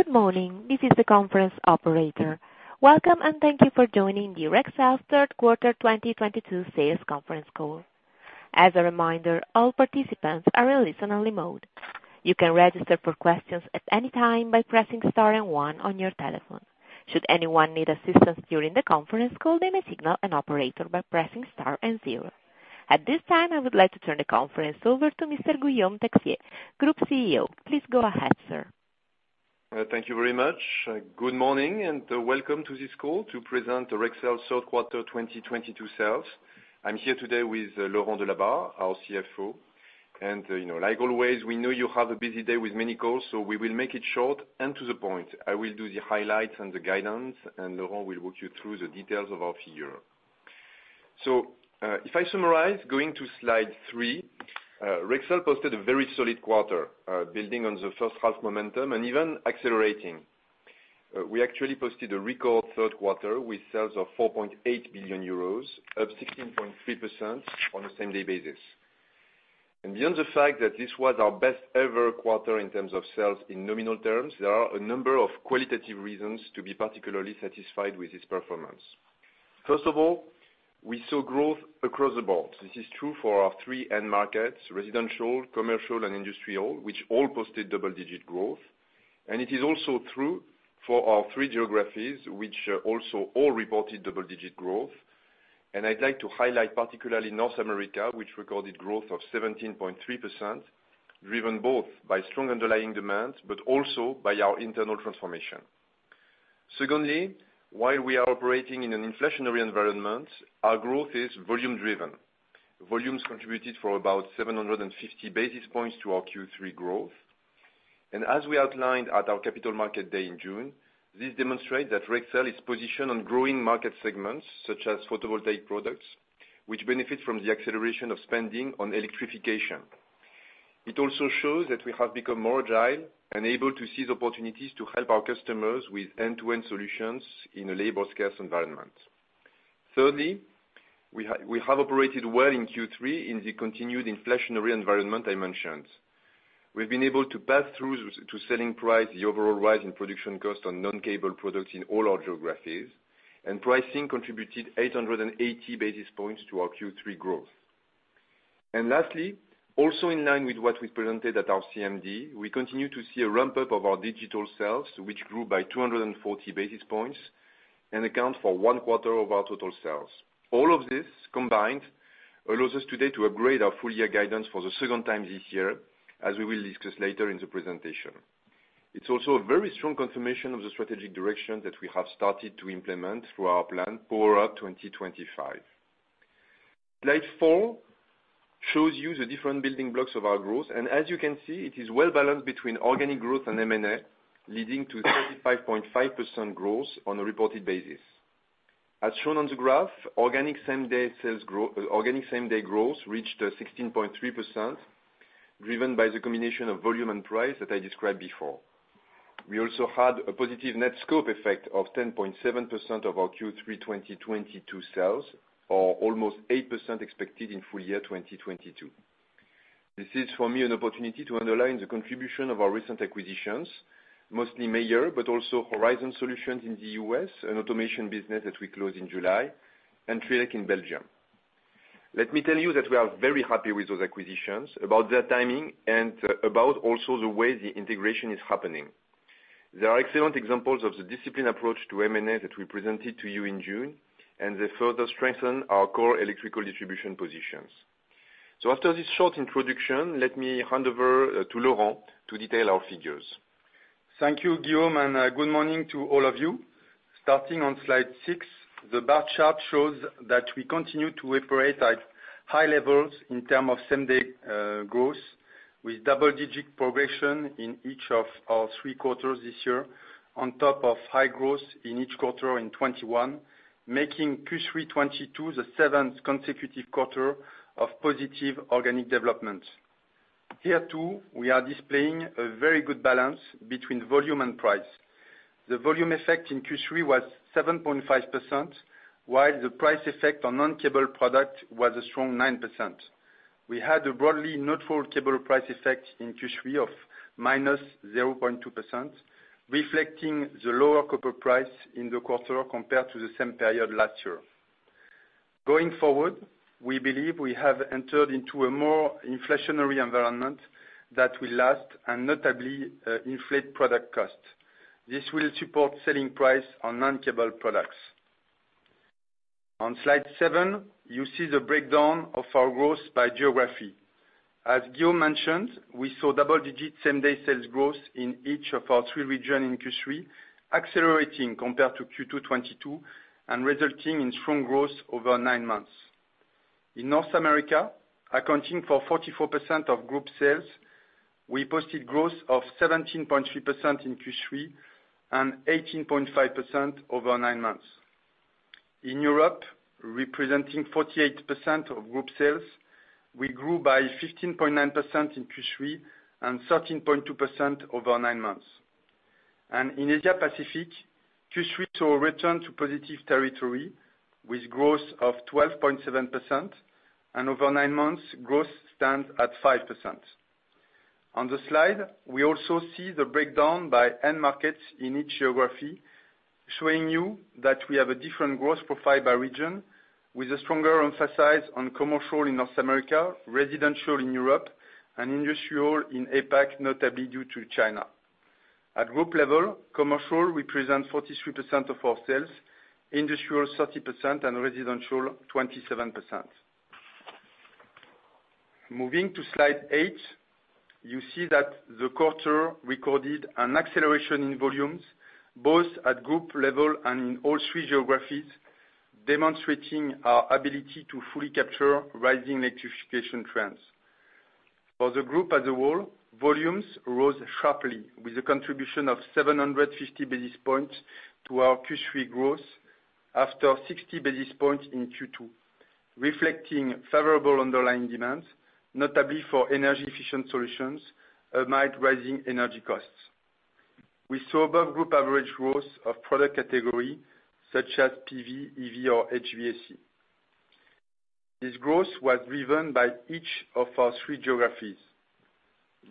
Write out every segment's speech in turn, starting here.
Good morning. This is the conference operator. Welcome, and thank you for joining the Rexel third quarter 2022 sales conference call. As a reminder, all participants are in listen only mode. You can register for questions at any time by pressing star and one on your telephone. Should anyone need assistance during the conference call, then they signal an operator by pressing star and zero. At this time, I would like to turn the conference over to Mr. Guillaume Texier, Group CEO. Please go ahead, sir. Thank you very much. Good morning, and welcome to this call to present Rexel's third quarter 2022 sales. I'm here today with Laurent Delabarre, our CFO. You know, like always, we know you have a busy day with many calls, so we will make it short and to the point. I will do the highlights and the guidance, and Laurent will walk you through the details of our figure. If I summarize, going to slide three, Rexel posted a very solid quarter, building on the first half momentum and even accelerating. We actually posted a record third quarter with sales of 4.8 billion euros of 16.3% on the same-day basis. Beyond the fact that this was our best ever quarter in terms of sales in nominal terms, there are a number of qualitative reasons to be particularly satisfied with this performance. First of all, we saw growth across the board. This is true for our three end markets, residential, commercial and industrial, which all posted double-digit growth. It is also true for our three geographies, which also all reported double-digit growth. I'd like to highlight particularly North America, which recorded growth of 17.3%, driven both by strong underlying demand but also by our internal transformation. Secondly, while we are operating in an inflationary environment, our growth is volume driven. Volumes contributed for about 750 basis points to our Q3 growth. As we outlined at our Capital Markets Day in June, this demonstrates that Rexel is positioned on growing market segments such as photovoltaic products, which benefit from the acceleration of spending on electrification. It also shows that we have become more agile and able to seize opportunities to help our customers with end-to-end solutions in a labor scarce environment. Thirdly, we have operated well in Q3 in the continued inflationary environment I mentioned. We've been able to pass through to selling price the overall rise in production cost on non-cable products in all our geographies, and pricing contributed 880 basis points to our Q3 growth. Lastly, also in line with what we presented at our CMD, we continue to see a ramp up of our digital sales, which grew by 240 basis points and account for one quarter of our total sales. All of this combined allows us today to upgrade our full year guidance for the second time this year, as we will discuss later in the presentation. It's also a very strong confirmation of the strategic direction that we have started to implement through our plan, PowerUP 2025. Slide four shows you the different building blocks of our growth. As you can see, it is well balanced between organic growth and M&A, leading to 35.5% growth on a reported basis. As shown on the graph, organic same day growth reached 16.3%, driven by the combination of volume and price that I described before. We also had a positive net scope effect of 10.7% of our Q3 2022 sales, or almost 8% expected in full year 2022. This is for me an opportunity to underline the contribution of our recent acquisitions, mostly Mayer, but also Horizon Solutions in the U.S., an automation business that we closed in July, and Trilec in Belgium. Let me tell you that we are very happy with those acquisitions, about their timing and about also the way the integration is happening. They are excellent examples of the disciplined approach to M&A that we presented to you in June, and they further strengthen our core electrical distribution positions. After this short introduction, let me hand over to Laurent to detail our figures. Thank you, Guillaume, and good morning to all of you. Starting on slide 6, the bar chart shows that we continue to operate at high levels in terms of same-day growth with double-digit progression in each of our three quarters this year on top of high growth in each quarter in 2021, making Q3 2022 the seventh consecutive quarter of positive organic development. Here too, we are displaying a very good balance between volume and price. The volume effect in Q3 was 7.5%, while the price effect on non-cable product was a strong 9%. We had a broadly neutral cable price effect in Q3 of -0.2%, reflecting the lower copper price in the quarter compared to the same period last year. Going forward, we believe we have entered into a more inflationary environment that will last and notably, inflate product cost. This will support selling price on non-cable products. On slide seven, you see the breakdown of our growth by geography. As Guillaume mentioned, we saw double-digit same-day sales growth in each of our three regions in Q3, accelerating compared to Q2 2022 and resulting in strong growth over nine months. In North America, accounting for 44% of group sales, we posted growth of 17.3% in Q3 and 18.5% over nine months. In Europe, representing 48% of group sales, we grew by 15.9% in Q3 and 13.2% over nine months. In Asia Pacific, Q3 saw a return to positive territory with growth of 12.7% and over nine months growth stands at 5%. On the slide, we also see the breakdown by end markets in each geography, showing you that we have a different growth profile by region with a stronger emphasis on commercial in North America, residential in Europe and industrial in APAC, notably due to China. At group level, commercial represents 43% of our sales, industrial 30% and residential 27%. Moving to slide 8, you see that the quarter recorded an acceleration in volumes both at group level and in all three geographies, demonstrating our ability to fully capture rising electrification trends. For the group as a whole, volumes rose sharply with a contribution of 750 basis points to our Q3 growth after 60 basis points in Q2, reflecting favorable underlying demands, notably for energy efficient solutions amid rising energy costs. We saw above group average growth of product category such as PV, EV or HVAC. This growth was driven by each of our three geographies.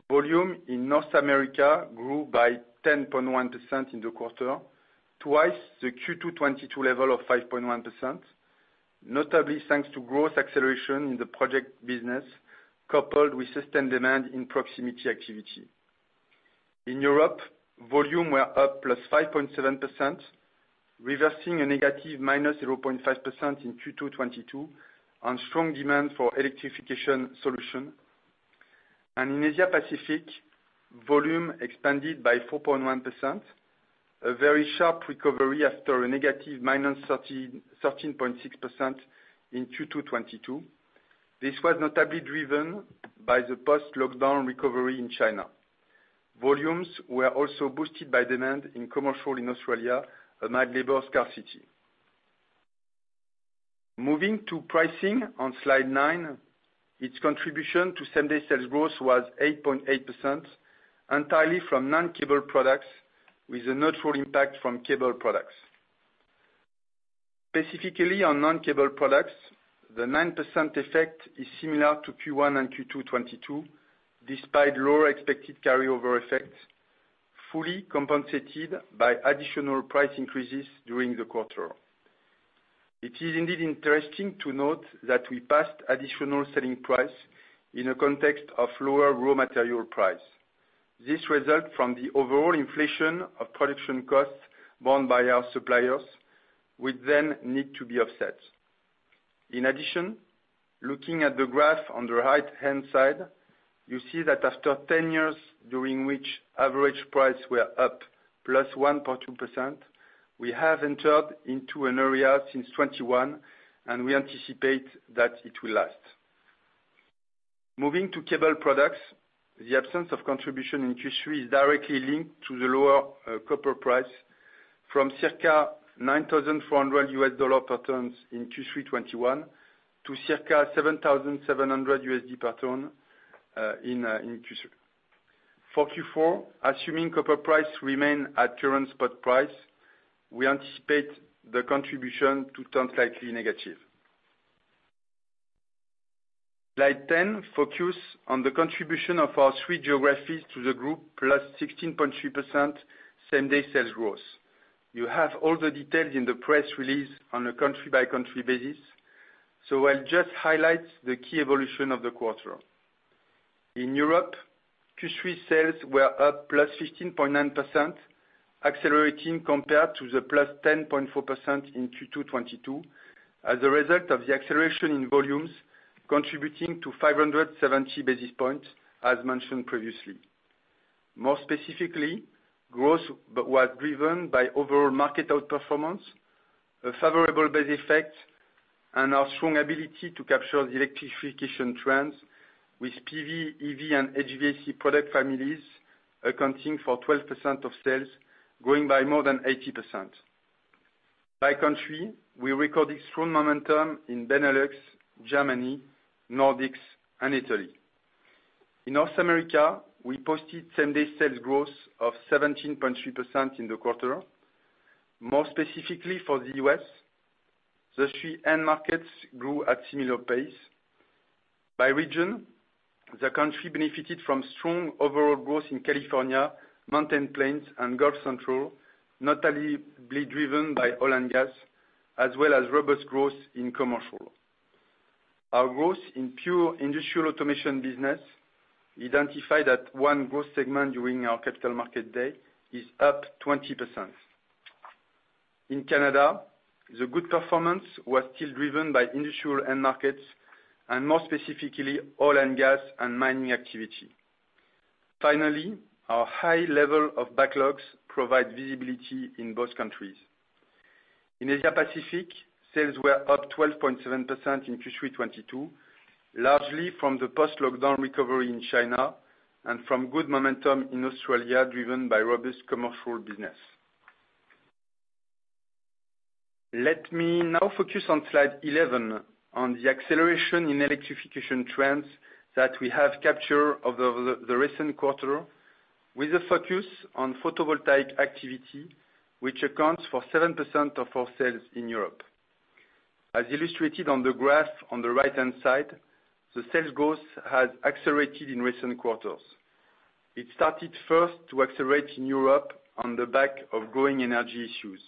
Volume in North America grew by 10.1% in the quarter, twice the Q2 2022 level of 5.1%, notably thanks to growth acceleration in the project business coupled with system demand in proximity activity. In Europe, volume were up +5.7%, reversing a negative -0.5% in Q2 2022 on strong demand for electrification solution. In Asia Pacific, volume expanded by 4.1%, a very sharp recovery after a negative -13.6% in Q2 2022. This was notably driven by the post-lockdown recovery in China. Volumes were also boosted by demand in commercial in Australia amid labor scarcity. Moving to pricing on slide 9, its contribution to same-day sales growth was 8.8% entirely from non-cable products with a natural impact from cable products. Specifically on non-cable products, the 9% effect is similar to Q1 and Q2 2022 despite lower expected carryover effect fully compensated by additional price increases during the quarter. It is indeed interesting to note that we passed additional selling price in a context of lower raw material price. This result from the overall inflation of production costs borne by our suppliers will then need to be offset. In addition, looking at the graph on the right-hand side, you see that after 10 years during which average price were up +1.2%, we have entered into an area since 2021, and we anticipate that it will last. Moving to cable products, the absence of contribution in Q3 is directly linked to the lower copper price from circa $9,400 per ton in Q3 2021 to circa $7,700 per ton in Q3. For Q4, assuming copper price remain at current spot price, we anticipate the contribution to turn slightly negative. Slide 10 focus on the contribution of our three geographies to the group +16.3% same-day sales growth. You have all the details in the press release on a country-by-country basis. I'll just highlight the key evolution of the quarter. In Europe, Q3 sales were up +15.9%, accelerating compared to the +10.4% in Q2 2022 as a result of the acceleration in volumes contributing to 570 basis points as mentioned previously. More specifically, growth was driven by overall market outperformance, a favorable base effect and our strong ability to capture the electrification trends with PV, EV and HVAC product families accounting for 12% of sales growing by more than 80%. By country, we recorded strong momentum in Benelux, Germany, Nordics and Italy. In North America, we posted same-store sales growth of 17.3% in the quarter. More specifically for the US, the three end markets grew at similar pace. By region, the country benefited from strong overall growth in California, Mountain Plains and Gulf Central, notably driven by oil and gas, as well as robust growth in commercial. Our growth in pure industrial automation business identified that one growth segment during our Capital Markets Day is up 20%. In Canada, the good performance was still driven by industrial end markets and more specifically oil and gas and mining activity. Finally, our high level of backlogs provide visibility in both countries. In Asia Pacific, sales were up 12.7% in Q3 '22, largely from the post-lockdown recovery in China and from good momentum in Australia driven by robust commercial business. Let me now focus on slide 11 on the acceleration in electrification trends that we have captured over the recent quarter with a focus on photovoltaic activity, which accounts for 7% of our sales in Europe. As illustrated on the graph on the right-hand side, the sales growth has accelerated in recent quarters. It started first to accelerate in Europe on the back of growing energy issues.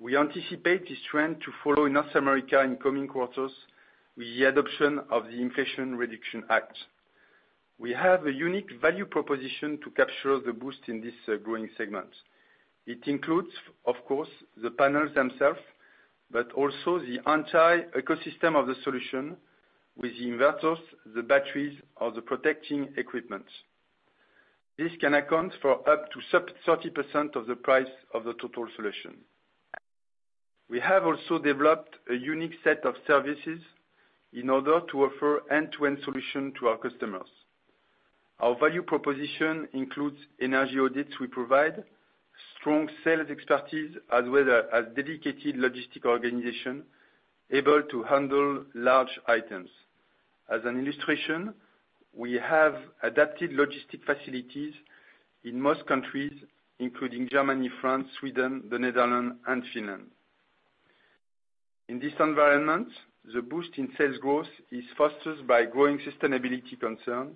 We anticipate this trend to follow in North America in coming quarters with the adoption of the Inflation Reduction Act. We have a unique value proposition to capture the boost in this growing segment. It includes, of course, the panels themselves, but also the entire ecosystem of the solution with the inverters, the batteries or the protecting equipment. This can account for up to 30% of the price of the total solution. We have also developed a unique set of services in order to offer end-to-end solution to our customers. Our value proposition includes energy audits we provide, strong sales expertise, as well as dedicated logistic organization able to handle large items. As an illustration, we have adapted logistic facilities in most countries, including Germany, France, Sweden, the Netherlands and Finland. In this environment, the boost in sales growth is fostered by growing sustainability concern,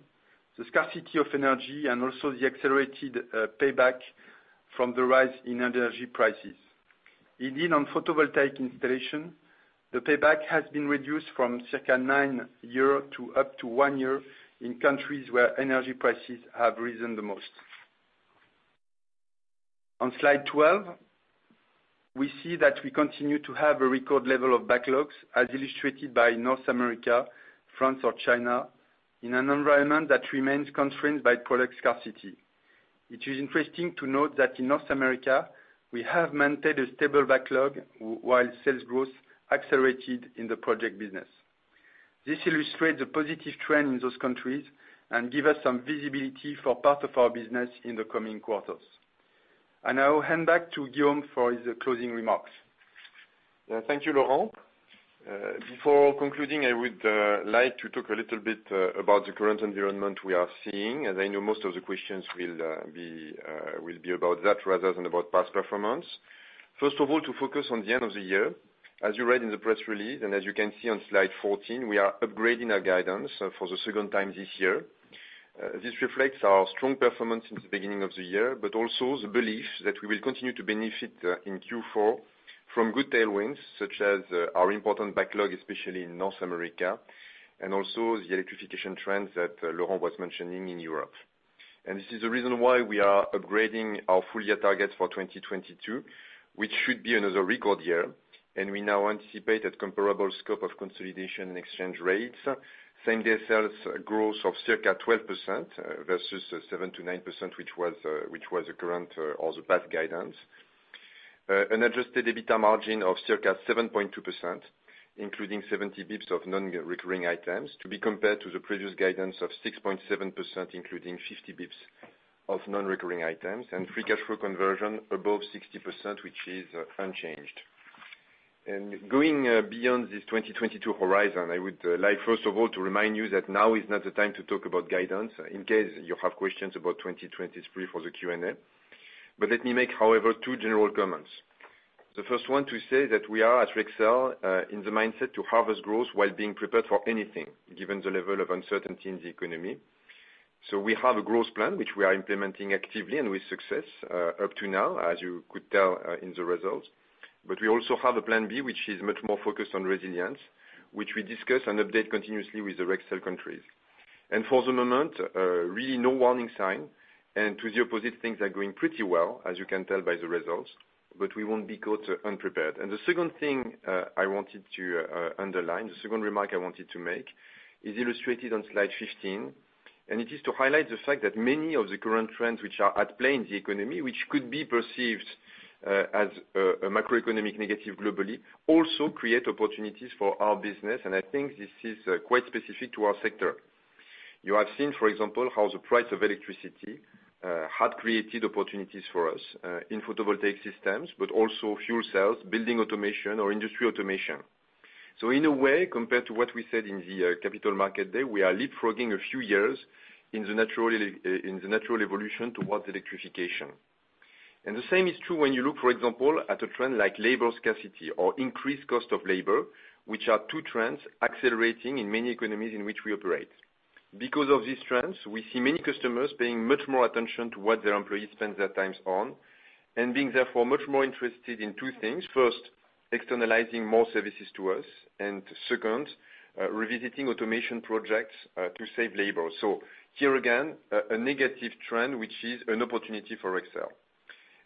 the scarcity of energy, and also the accelerated payback from the rise in energy prices. Indeed, on photovoltaic installation, the payback has been reduced from circa nine years to up to one year in countries where energy prices have risen the most. On slide 12, we see that we continue to have a record level of backlogs, as illustrated by North America, France or China, in an environment that remains constrained by product scarcity. It is interesting to note that in North America, we have maintained a stable backlog while sales growth accelerated in the project business. This illustrates a positive trend in those countries and give us some visibility for part of our business in the coming quarters. I now hand back to Guillaume for his closing remarks. Thank you, Laurent. Before concluding, I would like to talk a little bit about the current environment we are seeing, as I know most of the questions will be about that rather than about past performance. First of all, to focus on the end of the year. As you read in the press release, and as you can see on slide 14, we are upgrading our guidance for the second time this year. This reflects our strong performance since the beginning of the year, but also the belief that we will continue to benefit in Q4 from good tailwinds, such as our important backlog, especially in North America, and also the electrification trends that Laurent was mentioning in Europe. This is the reason why we are upgrading our full year targets for 2022, which should be another record year. We now anticipate a comparable scope of consolidation and exchange rates, same-day sales growth of circa 12% versus 7%-9%, which was the current or the past guidance. An adjusted EBITDA margin of circa 7.2%, including 70 bps of non-recurring items, to be compared to the previous guidance of 6.7%, including 50 bps of non-recurring items. Free cash flow conversion above 60%, which is unchanged. Going beyond this 2022 horizon, I would like, first of all, to remind you that now is not the time to talk about guidance in case you have questions about 2023 for the Q&A. Let me make, however, two general comments. The first one to say that we are at Rexel, in the mindset to harvest growth while being prepared for anything, given the level of uncertainty in the economy. We have a growth plan which we are implementing actively and with success, up to now, as you could tell, in the results. We also have a plan B, which is much more focused on resilience, which we discuss and update continuously with the Rexel countries. For the moment, really no warning sign. To the opposite, things are going pretty well, as you can tell by the results. We won't be caught, unprepared. The second thing, I wanted to underline, the second remark I wanted to make is illustrated on slide 15. It is to highlight the fact that many of the current trends which are at play in the economy, which could be perceived as a macroeconomic negative globally, also create opportunities for our business, and I think this is quite specific to our sector. You have seen, for example, how the price of electricity had created opportunities for us in photovoltaic systems, but also fuel cells, building automation or industry automation. In a way, compared to what we said in the Capital Markets Day, we are leapfrogging a few years in the natural evolution towards electrification. The same is true when you look, for example, at a trend like labor scarcity or increased cost of labor, which are two trends accelerating in many economies in which we operate. Because of these trends, we see many customers paying much more attention to what their employees spend their times on, and being therefore much more interested in two things. First, externalizing more services to us. Second, revisiting automation projects to save labor. Here again, a negative trend, which is an opportunity for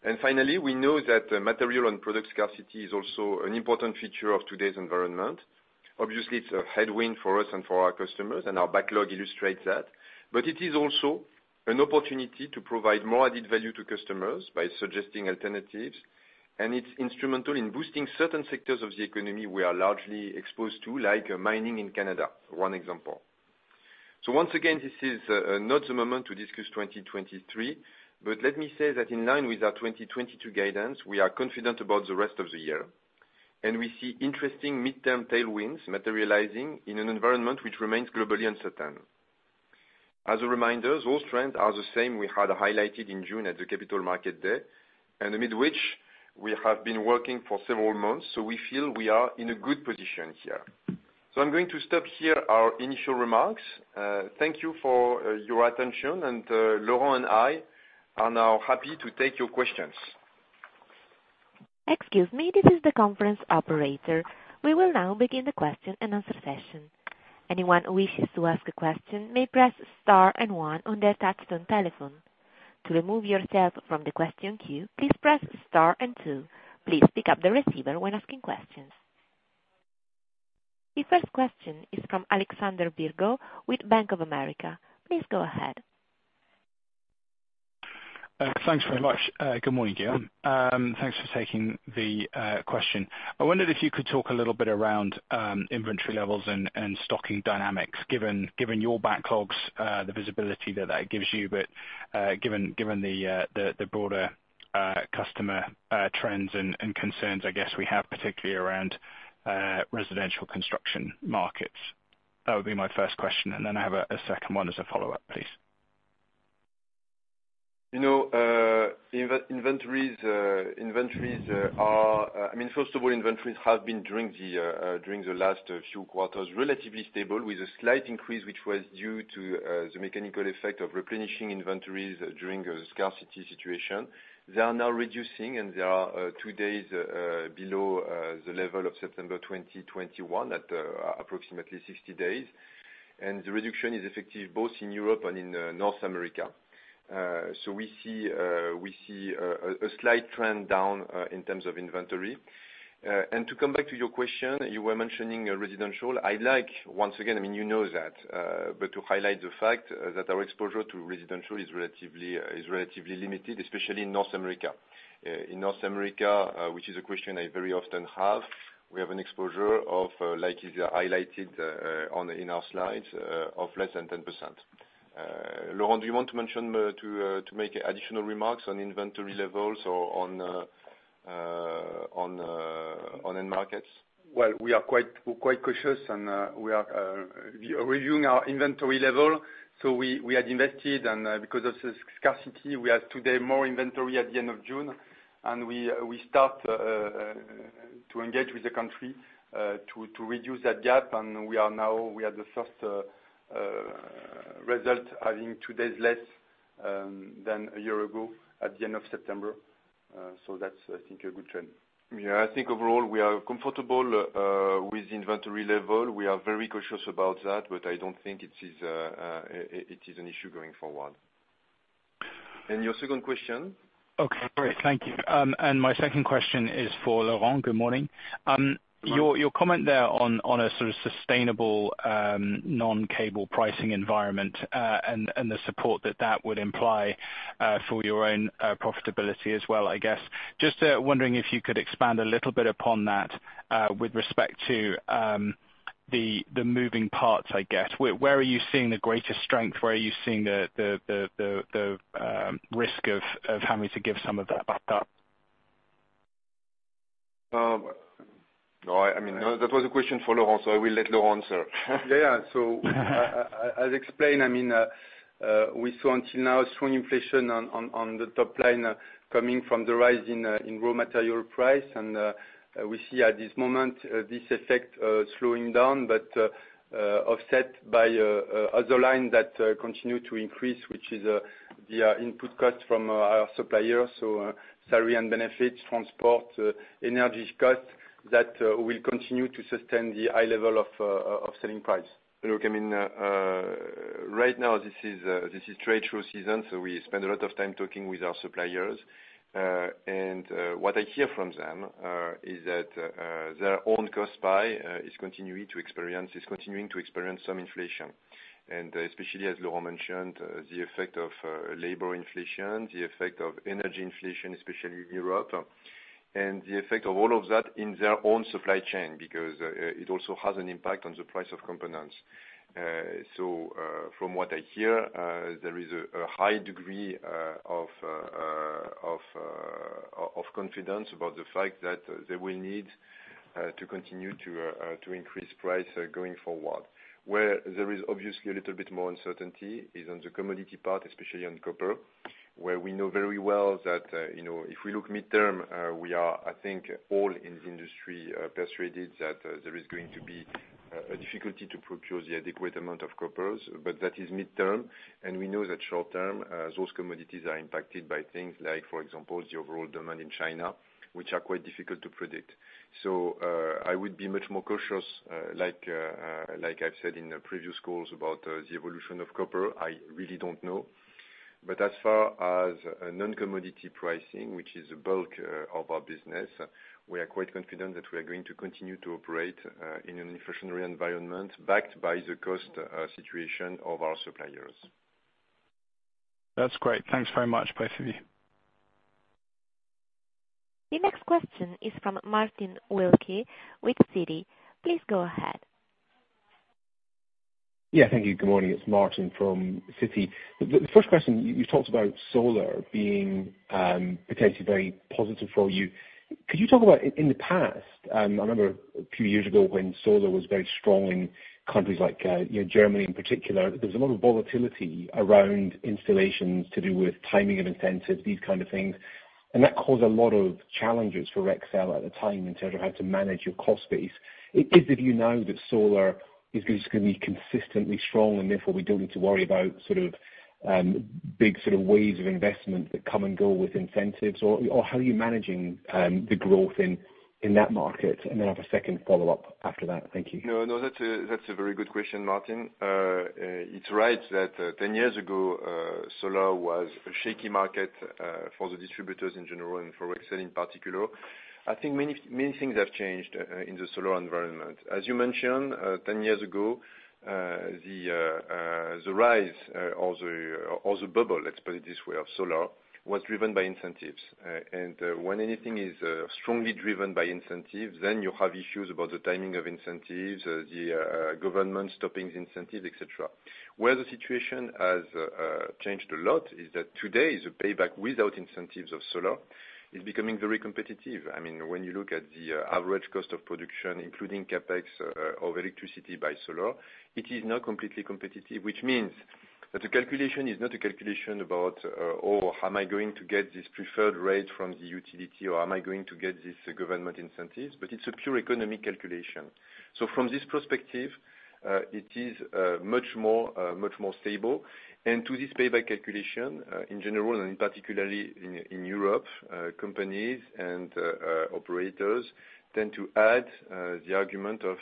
Rexel. Finally, we know that material and product scarcity is also an important feature of today's environment. Obviously, it's a headwind for us and for our customers, and our backlog illustrates that. It is also an opportunity to provide more added value to customers by suggesting alternatives. It's instrumental in boosting certain sectors of the economy we are largely exposed to, like mining in Canada, for one example. Once again, this is not the moment to discuss 2023, but let me say that in line with our 2022 guidance, we are confident about the rest of the year, and we see interesting midterm tailwinds materializing in an environment which remains globally uncertain. As a reminder, those trends are the same we had highlighted in June at the Capital Markets Day, and amid which we have been working for several months, so we feel we are in a good position here. I'm going to stop here our initial remarks. Thank you for your attention, and Laurent and I are now happy to take your questions. Excuse me. This is the conference operator. We will now begin the question-and-answer session. Anyone who wishes to ask a question may press star and one on their touch-tone telephone. To remove yourself from the question queue, please press star and two. Please pick up the receiver when asking questions. The first question is from Alexander Virgo with Bank of America. Please go ahead. Thanks very much. Good morning to you. Thanks for taking the question. I wondered if you could talk a little bit around inventory levels and stocking dynamics given your backlogs, the visibility that that gives you, but given the broader customer trends and concerns I guess we have particularly around residential construction markets. That would be my first question, and then I have a second one as a follow-up, please. You know, inventories are, I mean, first of all, inventories have been during the last few quarters relatively stable with a slight increase which was due to the mechanical effect of replenishing inventories during a scarcity situation. They are now reducing, and they are two days below the level of September 2021 at approximately 60 days. The reduction is effective both in Europe and in North America. We see a slight trend down in terms of inventory. To come back to your question, you were mentioning residential. I'd like, once again, I mean, you know that, but to highlight the fact that our exposure to residential is relatively limited, especially in North America. In North America, which is a question I very often have, we have an exposure of, like, is highlighted on our slides, of less than 10%. Laurent, do you want to mention to make additional remarks on inventory levels or on end markets? Well, we are quite cautious and we are reviewing our inventory level. We had invested and because of the scarcity we had today more inventory at the end of June and we start to engage with the country to reduce that gap and we are now the first result having two days less than a year ago at the end of September. That's I think a good trend. Yeah. I think overall we are comfortable with inventory level. We are very cautious about that, but I don't think it is an issue going forward. Your second question? Okay, great. Thank you. My second question is for Laurent. Good morning. Laurent. Your comment there on a sort of sustainable non-cable pricing environment and the support that would imply for your own profitability as well, I guess. Just wondering if you could expand a little bit upon that with respect to the moving parts, I guess. Where are you seeing the greatest strength? Where are you seeing the risk of having to give some of that back up? No, I mean, that was a question for Laurent, so I will let Laurent answer. Yeah. As explained, I mean, we saw until now strong inflation on the top line coming from the rise in raw material price. We see at this moment this effect slowing down, but offset by other line that continue to increase, which is the input cost from our suppliers, so salary and benefits, transport, energy costs that will continue to sustain the high level of selling price. Look, I mean, right now, this is trade show season, so we spend a lot of time talking with our suppliers. What I hear from them is that their own cost base is continuing to experience some inflation. Especially as Laurent mentioned, the effect of labor inflation, the effect of energy inflation, especially in Europe, and the effect of all of that in their own supply chain, because it also has an impact on the price of components. From what I hear, there is a high degree of confidence about the fact that they will need to continue to increase price going forward. Where there is obviously a little bit more uncertainty is on the commodity part, especially on copper, where we know very well that, you know, if we look midterm, we are, I think, all in the industry, persuaded that, there is going to be, a difficulty to procure the adequate amount of copper. But that is midterm, and we know that short-term, those commodities are impacted by things like, for example, the overall demand in China, which are quite difficult to predict. So, I would be much more cautious, like I've said in the previous calls about, the evolution of copper. I really don't know. As far as non-commodity pricing, which is the bulk of our business, we are quite confident that we are going to continue to operate in an inflationary environment backed by the cost situation of our suppliers. That's great. Thanks very much, both of you. The next question is from Martin Wilkie with Citi. Please go ahead. Yeah. Thank you. Good morning. It's Martin from Citi. The first question, you talked about solar being potentially very positive for you. Could you talk about in the past, I remember a few years ago when solar was very strong in countries like, you know, Germany in particular, there was a lot of volatility around installations to do with timing of incentives, these kind of things, and that caused a lot of challenges for Rexel at the time in terms of how to manage your cost base. Is it, you know, that solar is just gonna be consistently strong and therefore we don't need to worry about sort of big sort of waves of investment that come and go with incentives or how are you managing the growth in that market? Then I have a second follow-up after that. Thank you. No, that's a very good question, Martin. It's right that 10 years ago, solar was a shaky market for the distributors in general and for Rexel in particular. I think many, many things have changed in the solar environment. As you mentioned, 10 years ago, the rise or the bubble, let's put it this way, of solar was driven by incentives. When anything is strongly driven by incentives, then you have issues about the timing of incentives, the government stopping incentives, et cetera. Where the situation has changed a lot is that today the payback without incentives of solar is becoming very competitive. I mean, when you look at the average cost of production, including CapEx, of electricity by solar, it is now completely competitive, which means that the calculation is not a calculation about, or am I going to get this preferred rate from the utility or am I going to get this government incentives, but it's a pure economic calculation. From this perspective, it is much more stable. To this payback calculation, in general, and particularly in Europe, companies and operators tend to add the argument of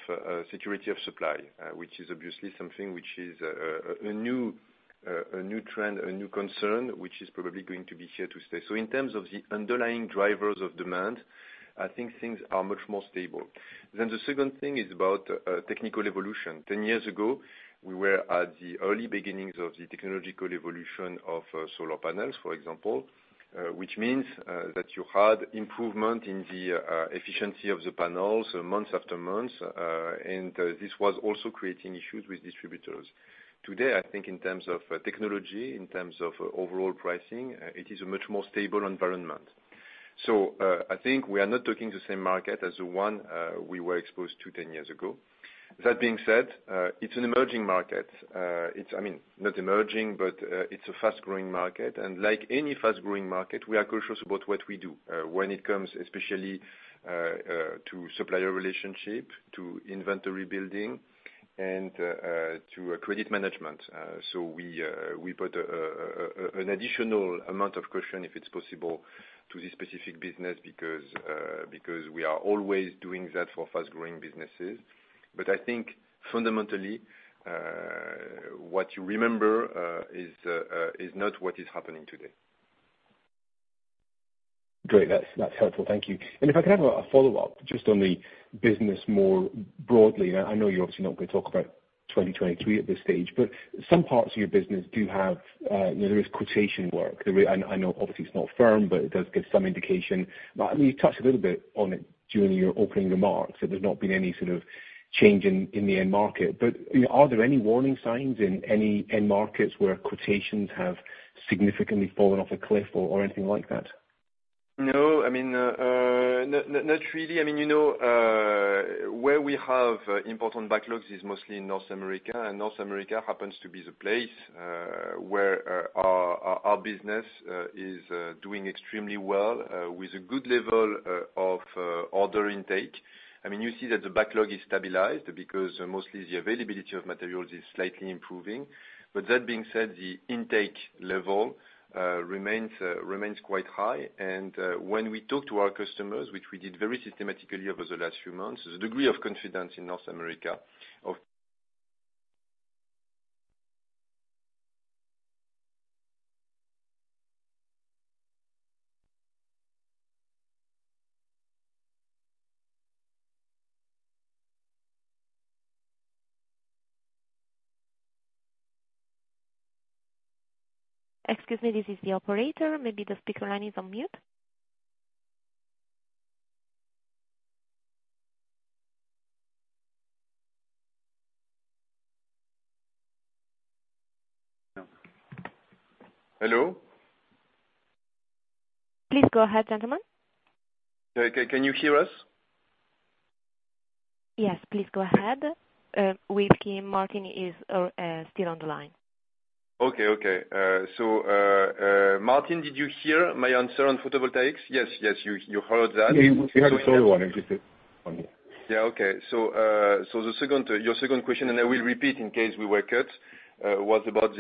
security of supply, which is obviously something which is a new trend, a new concern, which is probably going to be here to stay. In terms of the underlying drivers of demand, I think things are much more stable. The second thing is about technical evolution. Ten years ago, we were at the early beginnings of the technological evolution of solar panels, for example, which means that you had improvement in the efficiency of the panels month after month. This was also creating issues with distributors. Today, I think in terms of technology, in terms of overall pricing, it is a much more stable environment. I think we are not talking the same market as the one we were exposed to ten years ago. That being said, it's an emerging market. I mean, not emerging, but it's a fast-growing market. Like any fast-growing market, we are cautious about what we do when it comes especially to supplier relationship, to inventory building, and to credit management. We put an additional amount of caution, if it's possible, to this specific business because we are always doing that for fast-growing businesses. I think fundamentally, what you remember is not what is happening today. Great. That's helpful. Thank you. If I can have a follow-up just on the business more broadly. Now, I know you're obviously not gonna talk about 2023 at this stage, but some parts of your business do have, you know, there is quotation work. I know obviously it's not firm, but it does give some indication. I mean, you touched a little bit on it during your opening remarks, that there's not been any sort of change in the end market. You know, are there any warning signs in any end markets where quotations have significantly fallen off a cliff or anything like that? No, I mean, not really. I mean, you know, where we have important backlogs is mostly in North America, and North America happens to be the place where our business is doing extremely well with a good level of order intake. I mean, you see that the backlog is stabilized because mostly the availability of materials is slightly improving. That being said, the intake level remains quite high. When we talk to our customers, which we did very systematically over the last few months, the degree of confidence in North America of- Excuse me, this is the operator. Maybe the speaker line is on mute. Hello? Please go ahead, gentlemen. Can you hear us? Yes, please go ahead. Martin Wilkie is still on the line. Okay. Martin, did you hear my answer on photovoltaics? Yes, you heard that. We heard the solar one. Yeah, okay. Your second question, and I will repeat in case we were cut, was about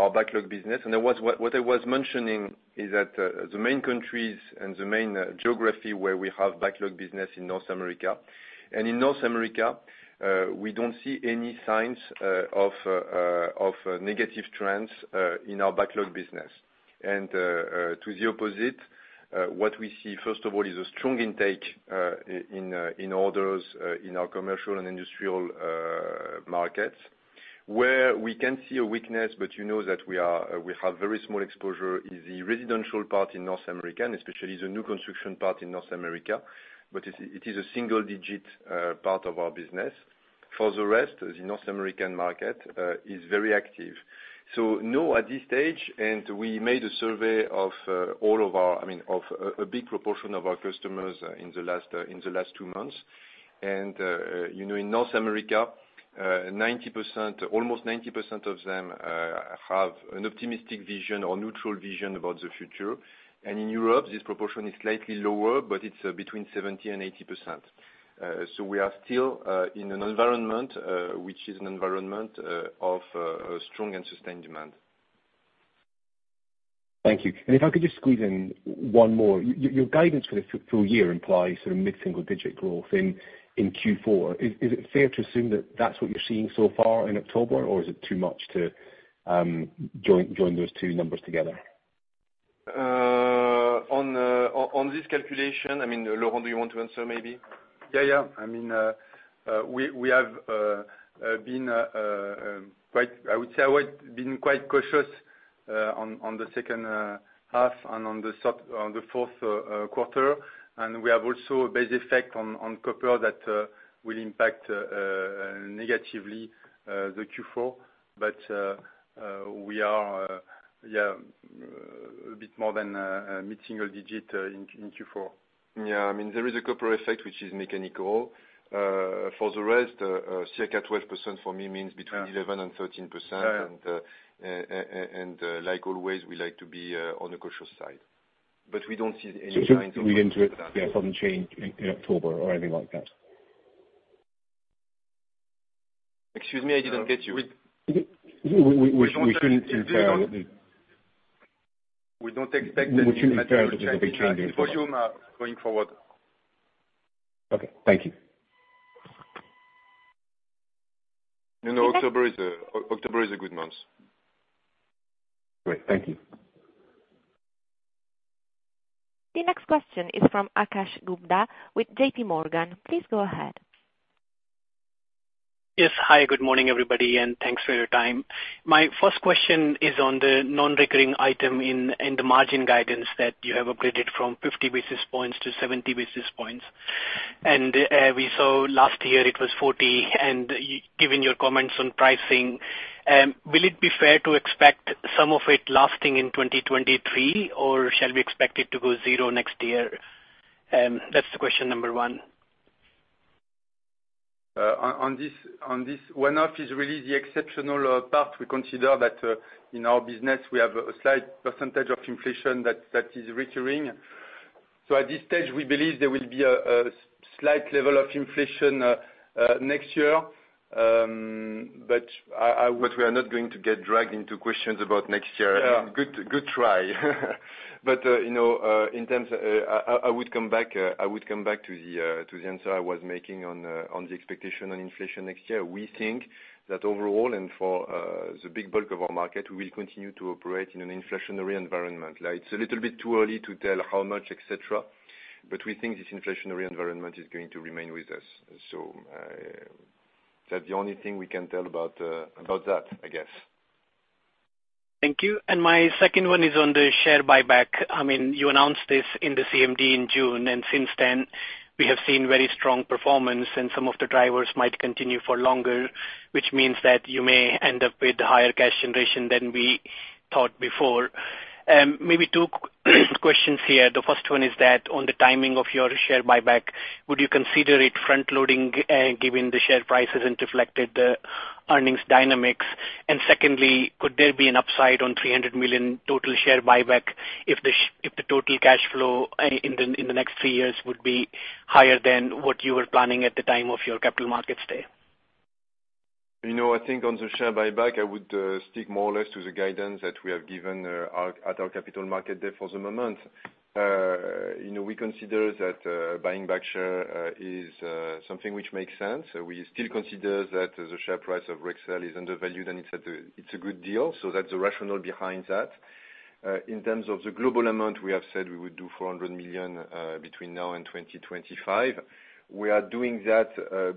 our backlog business. What I was mentioning is that, the main countries and the main geography where we have backlog business in North America. In North America, we don't see any signs of negative trends in our backlog business. To the opposite, what we see, first of all, is a strong intake in orders in our commercial and industrial markets. Where we can see a weakness, but you know that we have very small exposure in the residential part in North America, and especially the new construction part in North America. It is a single digit part of our business. For the rest, the North American market is very active. No, at this stage, we made a survey of all of our, I mean, of a big proportion of our customers in the last two months. You know, in North America, 90%, almost 90% of them have an optimistic vision or neutral vision about the future. In Europe, this proportion is slightly lower, but it's between 70% and 80%. We are still in an environment of strong and sustained demand. Thank you. If I could just squeeze in one more. Your guidance for the full year implies sort of mid-single digit growth in Q4. Is it fair to assume that that's what you're seeing so far in October? Or is it too much to join those two numbers together? On this calculation, I mean, Laurent, do you want to answer maybe? Yeah, yeah. I mean, we have been quite cautious, I would say, on the second half and on the third, on the fourth quarter. We have also a base effect on copper that will impact negatively the Q4. We are a bit more than a mid-single digit in Q4. Yeah. I mean, there is a copper effect which is mechanical. For the rest, circa 12% for me means between 11% and 13%. Yeah, yeah. Like always, we like to be on the cautious side. We don't see any signs of- We're into it, yeah, from change in October or anything like that? Excuse me, I didn't get you. We shouldn't necessarily. We don't expect any material change in volume, going forward. Okay, thank you. You know, October is a good month. Great. Thank you. The next question is from Akash Gupta with JPMorgan. Please go ahead. Yes. Hi, good morning, everybody, and thanks for your time. My first question is on the non-recurring item in the margin guidance that you have upgraded from 50 basis points to 70 basis points. We saw last year it was 40. Given your comments on pricing, will it be fair to expect some of it lasting in 2023, or shall we expect it to go zero next year? That's question number one. On this one-off is really the exceptional part. We consider that in our business, we have a slight percentage of inflation that is recurring. So at this stage, we believe there will be a slight level of inflation next year. We are not going to get dragged into questions about next year. Yeah. Good try. You know, in terms I would come back to the answer I was making on the expectation on inflation next year. We think that overall and for the big bulk of our market, we will continue to operate in an inflationary environment. Like, it's a little bit too early to tell how much, et cetera, but we think this inflationary environment is going to remain with us. That's the only thing we can tell about that, I guess. Thank you. My second one is on the share buyback. I mean, you announced this in the CMD in June, and since then, we have seen very strong performance, and some of the drivers might continue for longer, which means that you may end up with higher cash generation than we thought before. Maybe two questions here. The first one is that on the timing of your share buyback, would you consider it frontloading, given the share price hasn't reflected the earnings dynamics? Secondly, could there be an upside on 300 million total share buyback if the total cash flow in the next three years would be higher than what you were planning at the time of your Capital Markets Day? You know, I think on the share buyback, I would stick more or less to the guidance that we have given at our Capital Markets Day for the moment. You know, we consider that buying back share is something which makes sense. We still consider that the share price of Rexel is undervalued, and it's a good deal. That's the rationale behind that. In terms of the global amount, we have said we would do 400 million between now and 2025. We are doing that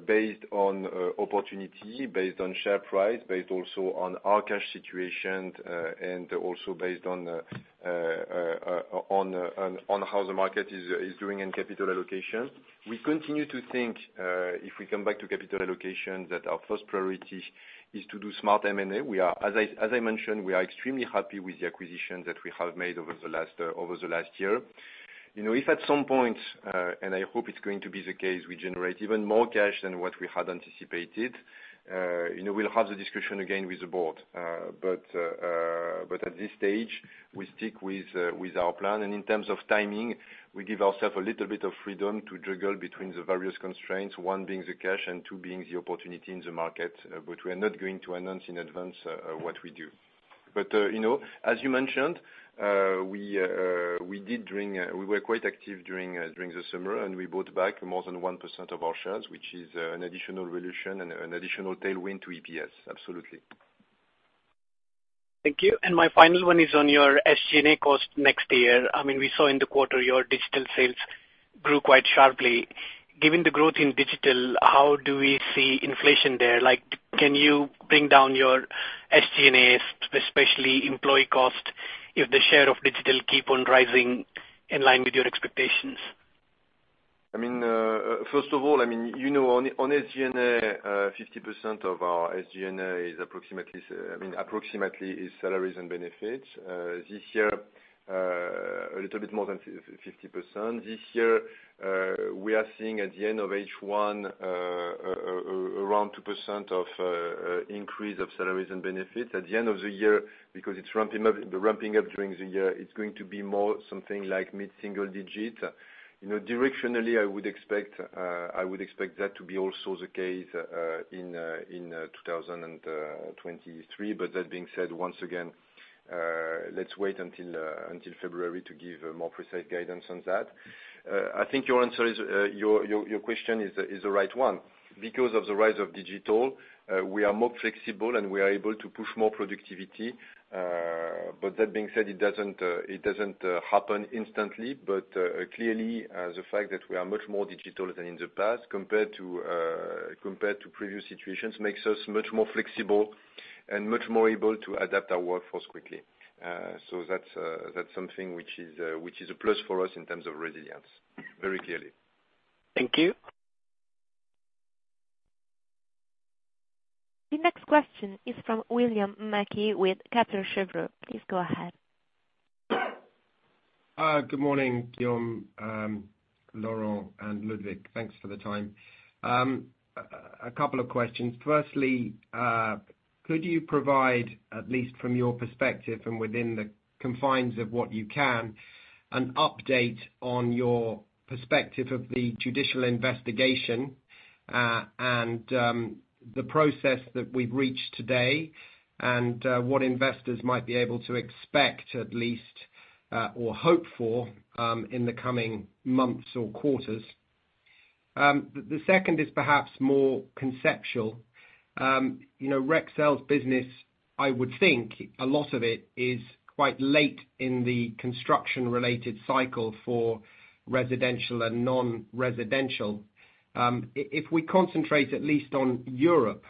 based on opportunity, based on share price, based also on our cash situation, and also based on how the market is doing in capital allocation. We continue to think, if we come back to capital allocation, that our first priority is to do smart M&A. We are, as I mentioned, extremely happy with the acquisitions that we have made over the last year. You know, if at some point and I hope it's going to be the case, we generate even more cash than what we had anticipated, you know, we'll have the discussion again with the board. But at this stage, we stick with our plan. In terms of timing, we give ourselves a little bit of freedom to juggle between the various constraints, one being the cash and two being the opportunity in the market. We're not going to announce in advance what we do. You know, as you mentioned, we were quite active during the summer, and we bought back more than 1% of our shares, which is an additional dilution and an additional tailwind to EPS, absolutely. Thank you. My final one is on your SG&A cost next year. I mean, we saw in the quarter your digital sales grew quite sharply. Given the growth in digital, how do we see inflation there? Like, can you bring down your SG&As, especially employee cost, if the share of digital keep on rising in line with your expectations? I mean, first of all, I mean, you know, on SG&A, 50% of our SG&A is approximately salaries and benefits. This year, a little bit more than 50%. This year, we are seeing at the end of H1, around 2% increase of salaries and benefits. At the end of the year, because it's ramping up during the year, it's going to be more something like mid-single digit. You know, directionally, I would expect that to be also the case in 2023. That being said, once again, let's wait until February to give a more precise guidance on that. I think your question is the right one. Because of the rise of digital, we are more flexible, and we are able to push more productivity. That being said, it doesn't happen instantly. Clearly, the fact that we are much more digital than in the past compared to previous situations makes us much more flexible and much more able to adapt our workforce quickly. That's something which is a plus for us in terms of resilience. Very clearly. Thank you. The next question is from William Mackie with Kepler Cheuvreux. Please go ahead. Good morning, Guillaume, Laurent, and Ludwig. Thanks for the time. A couple of questions. Firstly, could you provide, at least from your perspective and within the confines of what you can, an update on your perspective of the judicial investigation, and the process that we've reached today, and what investors might be able to expect at least, or hope for, in the coming months or quarters. The second is perhaps more conceptual. You know, Rexel's business, I would think a lot of it is quite late in the construction-related cycle for residential and non-residential. If we concentrate at least on Europe,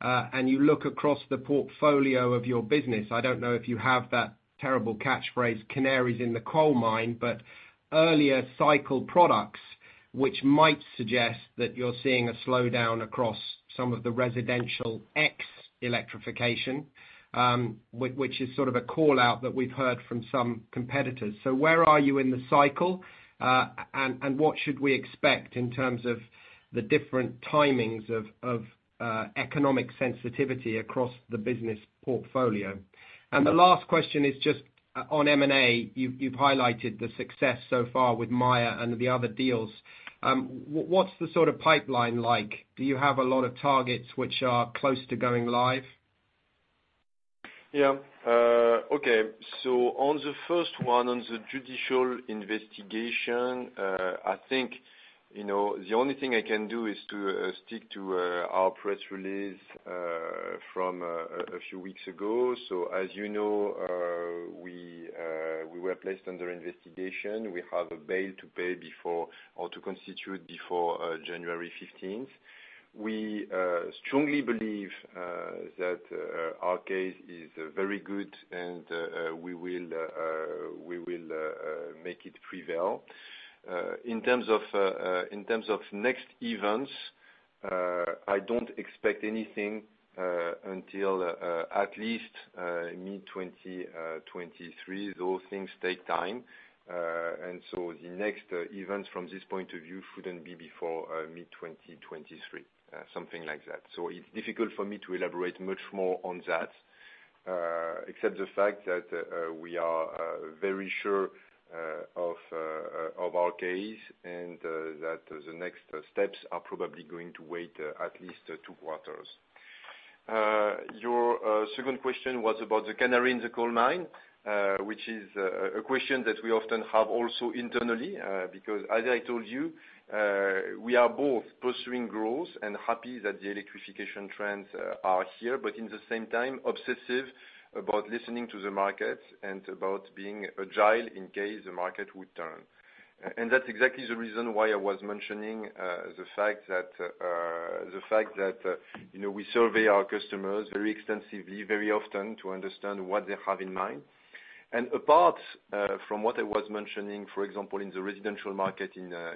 and you look across the portfolio of your business, I don't know if you have that terrible catchphrase, canaries in the coal mine, but earlier cycle products, which might suggest that you're seeing a slowdown across some of the residential ex electrification, which is sort of a call-out that we've heard from some competitors. Where are you in the cycle, and what should we expect in terms of the different timings of economic sensitivity across the business portfolio? The last question is just on M&A. You've highlighted the success so far with Mayer and the other deals. What's the sort of pipeline like? Do you have a lot of targets which are close to going live? Yeah. Okay. On the first one, on the judicial investigation, I think, you know, the only thing I can do is to stick to our press release from a few weeks ago. As you know, we were placed under investigation. We have a bail to pay before, or to constitute before, January fifteenth. We strongly believe that our case is very good and we will make it prevail. In terms of next events, I don't expect anything until at least mid-2023. Those things take time. The next event from this point of view shouldn't be before mid-2023. Something like that. It's difficult for me to elaborate much more on that, except the fact that we are very sure of our case, and that the next steps are probably going to take at least two quarters. Your second question was about the canary in the coal mine, which is a question that we often have also internally, because as I told you, we are both pursuing growth and happy that the electrification trends are here, but at the same time, obsessive about listening to the market and about being agile in case the market would turn. That's exactly the reason why I was mentioning the fact that you know, we survey our customers very extensively, very often to understand what they have in mind. Apart from what I was mentioning, for example, in the residential market in the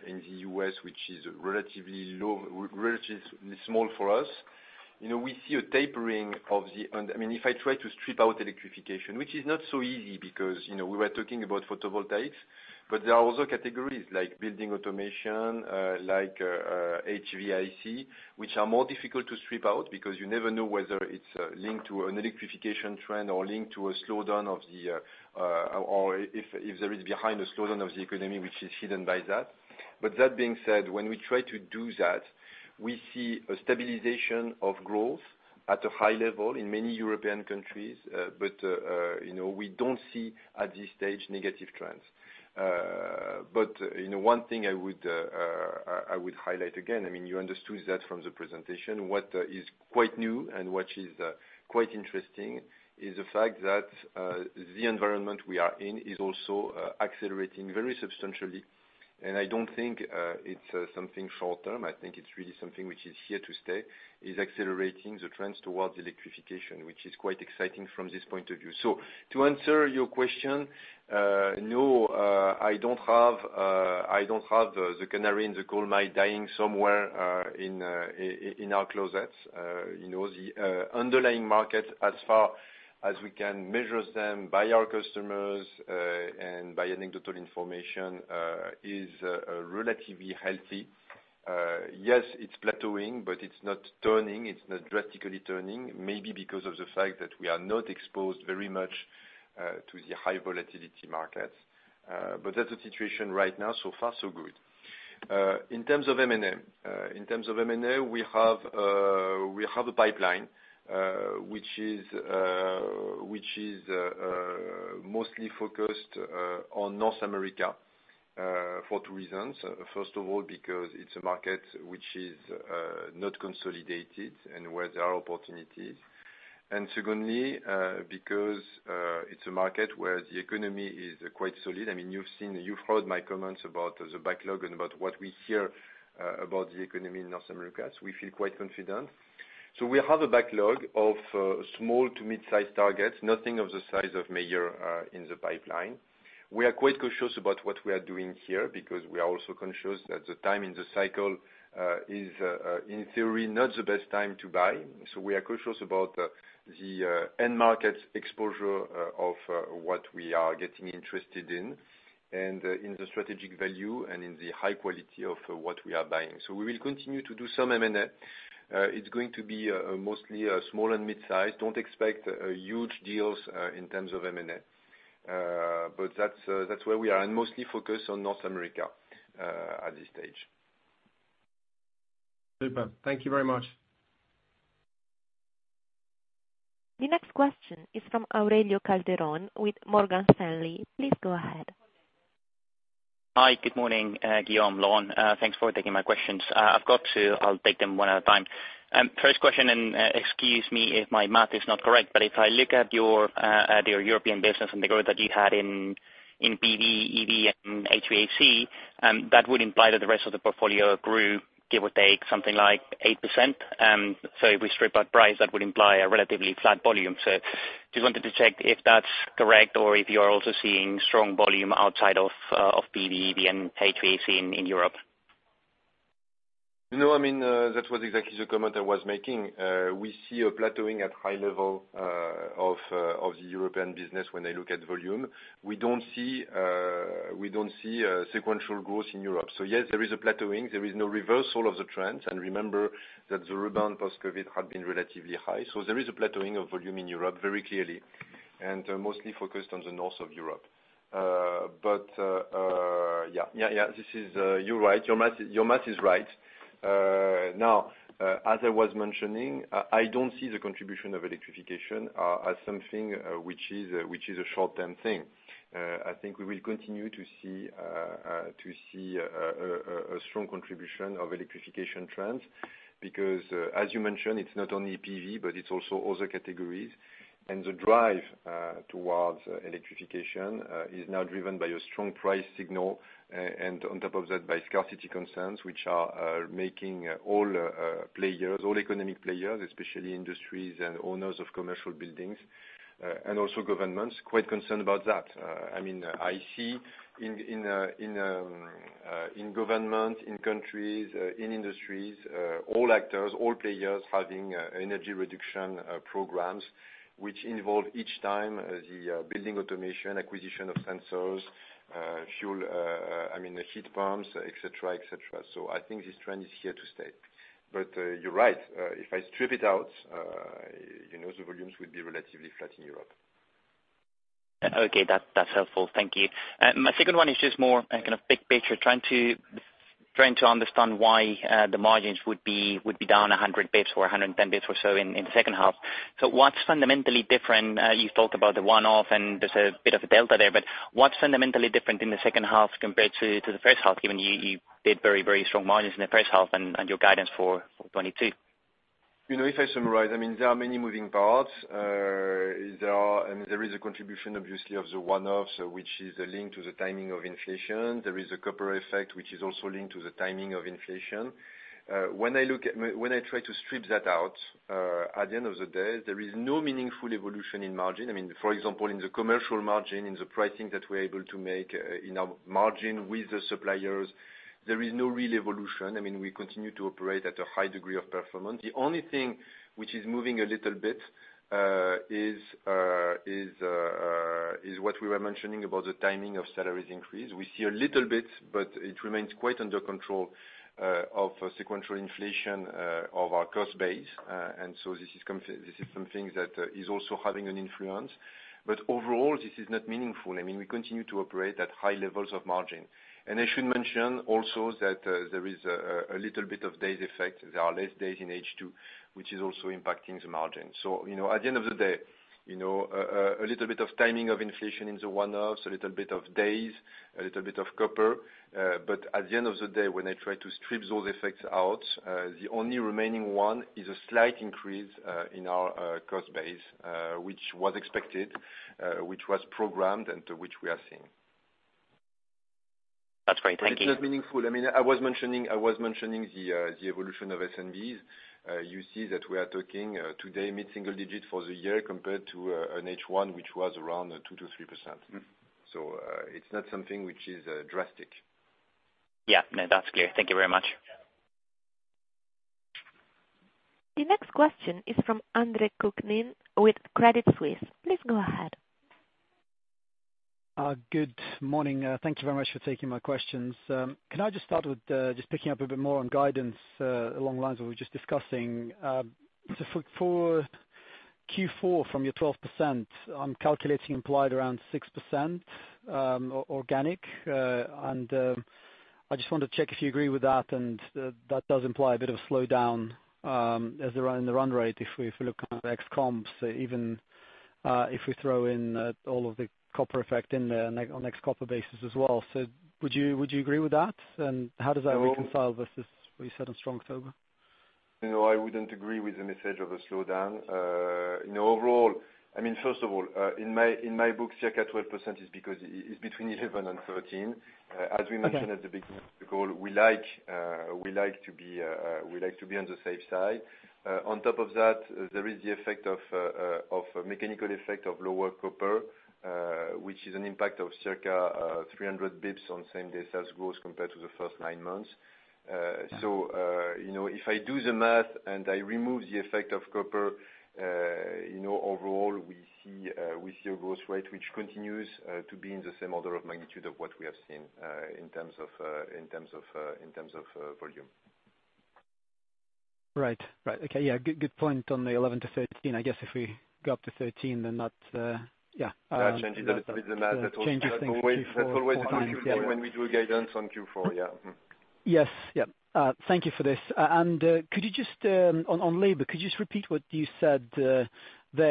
U.S., which is relatively low, relatively small for us, you know, we see a tapering of the. I mean, if I try to strip out electrification, which is not so easy because, you know, we were talking about photovoltaics, but there are also categories like building automation, like HVAC, which are more difficult to strip out because you never know whether it's linked to an electrification trend or linked to a slowdown of the, or if there is behind the slowdown of the economy which is hidden by that. That being said, when we try to do that, we see a stabilization of growth at a high level in many European countries, but we don't see at this stage negative trends. You know, one thing I would highlight again. I mean, you understood that from the presentation, what is quite new and what is quite interesting is the fact that the environment we are in is also accelerating very substantially. I don't think it's something short-term. I think it's really something which is here to stay, is accelerating the trends towards electrification, which is quite exciting from this point of view. To answer your question, no, I don't have the canary in the coal mine dying somewhere in our closets. You know, the underlying market, as far as we can measure them by our customers and by anecdotal information, is relatively healthy. Yes, it's plateauing, but it's not turning, it's not drastically turning. Maybe because of the fact that we are not exposed very much to the high volatility markets. That's the situation right now. So far so good. In terms of M&A, we have a pipeline which is mostly focused on North America for two reasons. First of all, because it's a market which is not consolidated and where there are opportunities. Secondly, because it's a market where the economy is quite solid. I mean, you've heard my comments about the backlog and about what we hear about the economy in North America. We feel quite confident. We have a backlog of small to mid-size targets, nothing of the size of Mayer in the pipeline. We are quite cautious about what we are doing here because we are also conscious that the time in the cycle is, in theory, not the best time to buy. We are cautious about the end market exposure of what we are getting interested in and in the strategic value and in the high quality of what we are buying. We will continue to do some M&A. It's going to be mostly small and mid-size. Don't expect huge deals in terms of M&A. But that's where we are and mostly focused on North America at this stage. Super. Thank you very much. The next question is from Aurelio Calderon Tejedor with Morgan Stanley. Please go ahead. Hi. Good morning, Guillaume, Laurent. Thanks for taking my questions. I've got two. I'll take them one at a time. First question, excuse me if my math is not correct, but if I look at your European business and the growth that you had in PV, EV, and HVAC, that would imply that the rest of the portfolio grew, give or take something like 8%. If we strip out price, that would imply a relatively flat volume. Just wanted to check if that's correct or if you are also seeing strong volume outside of PV, EV, and HVAC in Europe. No, I mean, that was exactly the comment I was making. We see a plateauing at high level of the European business when I look at volume. We don't see sequential growth in Europe. Yes, there is a plateauing. There is no reversal of the trend. Remember that the rebound post-COVID had been relatively high. There is a plateauing of volume in Europe very clearly, and mostly focused on the north of Europe. Yeah. You're right. Your math is right. Now, as I was mentioning, I don't see the contribution of electrification as something which is a short-term thing. I think we will continue to see a strong contribution of electrification trends because, as you mentioned, it's not only PV, but it's also other categories. The drive towards electrification is now driven by a strong price signal, and on top of that, by scarcity concerns which are making all players, all economic players, especially industries and owners of commercial buildings, and also governments quite concerned about that. I mean, I see in government, in countries, in industries, all actors, all players having energy reduction programs which involve each time the building automation, acquisition of sensors, heat pumps, et cetera. I think this trend is here to stay. You're right, if I strip it out, you know, the volumes will be relatively flat in Europe. Okay. That's helpful. Thank you. My second one is just more kind of big picture, trying to understand why the margins would be down 100 basis points or 110 basis points or so in the second half. What's fundamentally different? You've talked about the one-off and there's a bit of a delta there, but what's fundamentally different in the second half compared to the first half, given you did very strong margins in the first half and your guidance for 2022? You know, if I summarize, I mean, there are many moving parts. There is a contribution obviously of the one-offs which is linked to the timing of inflation. There is a copper effect which is also linked to the timing of inflation. When I try to strip that out, at the end of the day there is no meaningful evolution in margin. I mean, for example, in the commercial margin, in the pricing that we're able to make, in our margin with the suppliers, there is no real evolution. I mean, we continue to operate at a high degree of performance. The only thing which is moving a little bit is what we were mentioning about the timing of salaries increase. We see a little bit, but it remains quite under control of sequential inflation of our cost base. This is something that is also having an influence, but overall, this is not meaningful. I mean, we continue to operate at high levels of margin. I should mention also that there is a little bit of days effect. There are less days in H2, which is also impacting the margin. You know, at the end of the day, you know, a little bit of timing of inflation in the one-offs, a little bit of days, a little bit of copper. At the end of the day, when I try to strip those effects out, the only remaining one is a slight increase in our cost base, which was expected, which was programmed and which we are seeing. That's great. Thank you. It's not meaningful. I mean, I was mentioning the evolution of SMEs. You see that we are talking today, mid-single digit for the year compared to an H1, which was around 2%-3%. Mm-hmm. It's not something which is drastic. Yeah, no, that's clear. Thank you very much. The next question is from Andre Kukhnin with Credit Suisse. Please go ahead. Good morning. Thank you very much for taking my questions. Can I just start with just picking up a bit more on guidance along the lines of what we were just discussing. For Q4, from your 12%, I'm calculating implied around 6% organic. I just want to check if you agree with that. That does imply a bit of a slowdown as per the run rate if we look at ex comps, even if we throw in all of the copper effect in there on ex-copper basis as well. Would you agree with that? How does that reconcile versus what you said on strong October? No, I wouldn't agree with the message of a slowdown. You know, overall, I mean, first of all, in my book, circa 12% is because it's between 11 and 13. Okay. As we mentioned at the beginning of the call, we like to be on the safe side. On top of that, there is the mechanical effect of lower copper, which is an impact of circa 300 BPS on same-day sales `growth compared to the first nine months. You know, if I do the math and I remove the effect of copper, you know, overall, we see a growth rate, which continues to be in the same order of magnitude of what we have seen in terms of volume. Right. Okay. Yeah, good point on the 11-13. I guess if we go up to 13, then that, yeah. That changes a little bit the math. That's always an issue when we do a guidance on Q4. Yeah. Yes. Yeah. Thank you for this. Could you just, on labor, could you just repeat what you said there?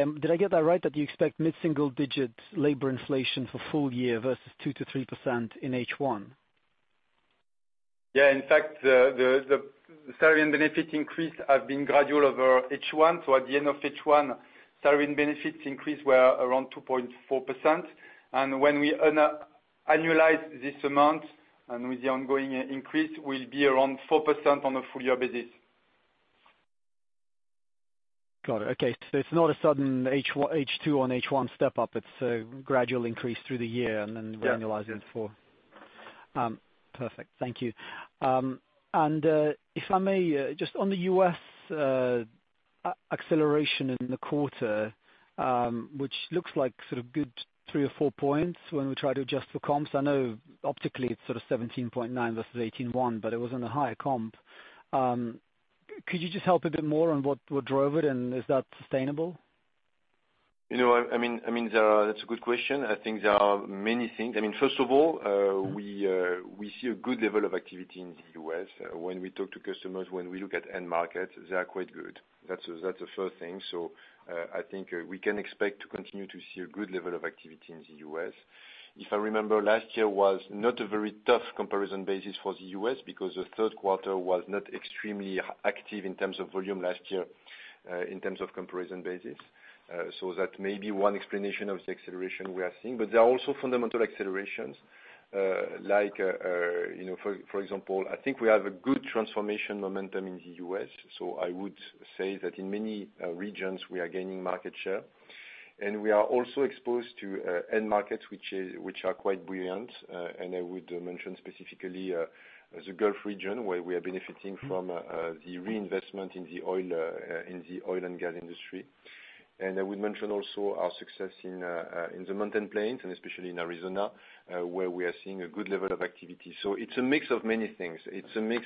Did I get that right, that you expect mid-single digit labor inflation for full year versus 2%-3% in H1? Yeah. In fact, the salary and benefit increase have been gradual over H1. At the end of H1, salary and benefits increase were around 2.4%. When we annualize this amount, and with the ongoing increase will be around 4% on a full year basis. Got it. Okay. It's not a sudden H1-H2 on H1 step up. It's a gradual increase through the year and then. Yeah. Perfect. Thank you. If I may, just on the U.S., acceleration in the quarter, which looks like sort of good 3 or 4 points when we try to adjust for comps. I know optically it's sort of 17.9% versus 18.1%, but it was on a higher comp. Could you just help a bit more on what drove it, and is that sustainable? You know, I mean, there are. That's a good question. I think there are many things. I mean, first of all, we see a good level of activity in the US. When we talk to customers, when we look at end markets, they are quite good. That's the first thing. I think we can expect to continue to see a good level of activity in the US. If I remember, last year was not a very tough comparison basis for the US because the third quarter was not extremely active in terms of volume last year, in terms of comparison basis. That may be one explanation of the acceleration we are seeing. But there are also fundamental accelerations, like, you know, for example, I think we have a good transformation momentum in the US. I would say that in many regions, we are gaining market share, and we are also exposed to end markets, which are quite brilliant. I would mention specifically the Gulf region, where we are benefiting from the reinvestment in the oil and gas industry. I would mention also our success in the Mountain Plains, and especially in Arizona, where we are seeing a good level of activity. It's a mix of many things. It's a mix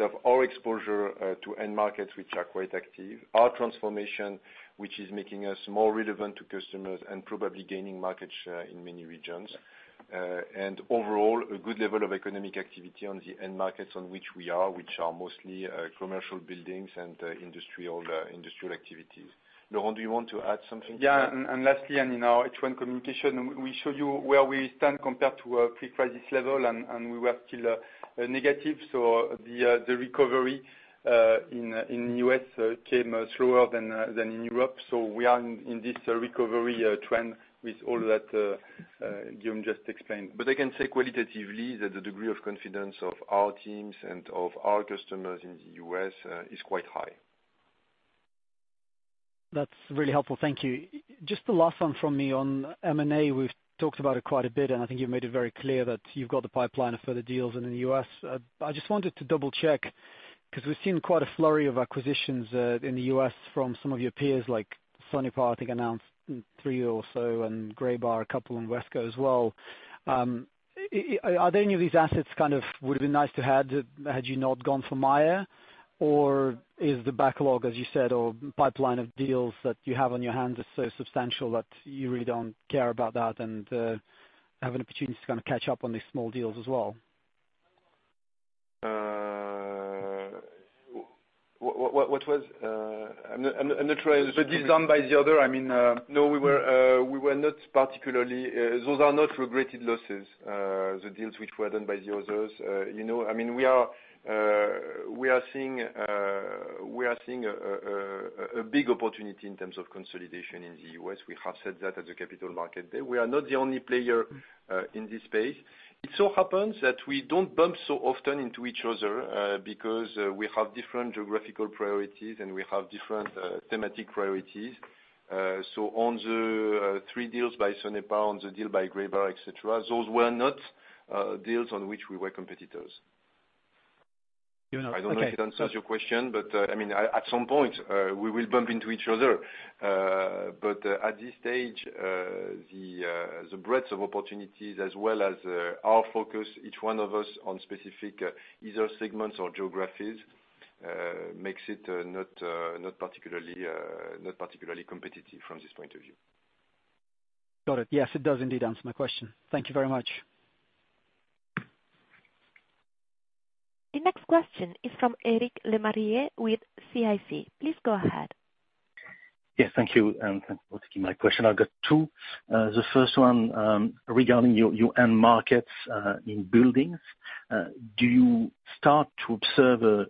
of our exposure to end markets which are quite active, our transformation, which is making us more relevant to customers and probably gaining market share in many regions. Overall, a good level of economic activity on the end markets on which we are, which are mostly commercial buildings and industry or industrial activities. Laurent, do you want to add something? Lastly, in our H1 communication, we show you where we stand compared to our pre-crisis level, and we were still negative. The recovery in the U.S. came slower than in Europe. We are in this recovery trend with all that Guillaume just explained. I can say qualitatively that the degree of confidence of our teams and of our customers in the U.S. is quite high. That's really helpful. Thank you. Just the last one from me on M&A. We've talked about it quite a bit, and I think you've made it very clear that you've got the pipeline of further deals in the US. I just wanted to double-check, 'cause we've seen quite a flurry of acquisitions in the US from some of your peers, like, Sonepar I think announced three or so, and Graybar a couple, and Wesco as well. Are there any of these assets kind of would've been nice to have had you not gone for Mayer? Or is the backlog, as you said, or pipeline of deals that you have on your hands is so substantial that you really don't care about that, and have an opportunity to kind of catch up on these small deals as well? What was? I'm not sure. The deals done by the other, I mean No, we were not particularly. Those are not regretted losses, the deals which were done by the others. You know, I mean, we are seeing a big opportunity in terms of consolidation in the U.S. We have said that at the Capital Markets Day. We are not the only player in this space. It so happens that we don't bump so often into each other because we have different geographical priorities, and we have different thematic priorities. On the three deals by Sonepar, on the deal by Graybar, et cetera, those were not deals on which we were competitors. Okay. I don't know if it answers your question, but I mean, at some point, we will bump into each other. At this stage, the breadth of opportunities as well as our focus, each one of us on specific either segments or geographies, makes it not particularly competitive from this point of view. Got it. Yes, it does indeed answer my question. Thank you very much. The next question is from Éric Lemarié with CIC. Please go ahead. Yes, thank you, and thanks for taking my question. I've got two. The first one, regarding your end markets in buildings, do you start to observe a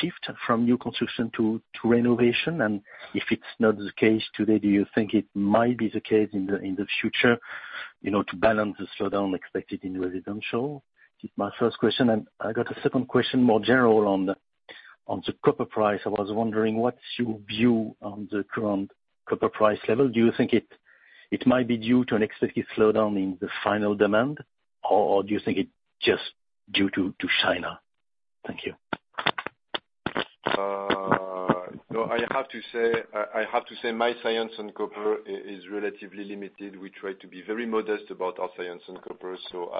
shift from new construction to renovation? If it's not the case today, do you think it might be the case in the future, you know, to balance the slowdown expected in residential? It's my first question, and I got a second question, more general, on the copper price. I was wondering, what's your view on the current copper price level? Do you think it might be due to an expected slowdown in the final demand, or do you think it's just due to China? Thank you. I have to say my stance on copper is relatively limited. We try to be very modest about our stance on copper, so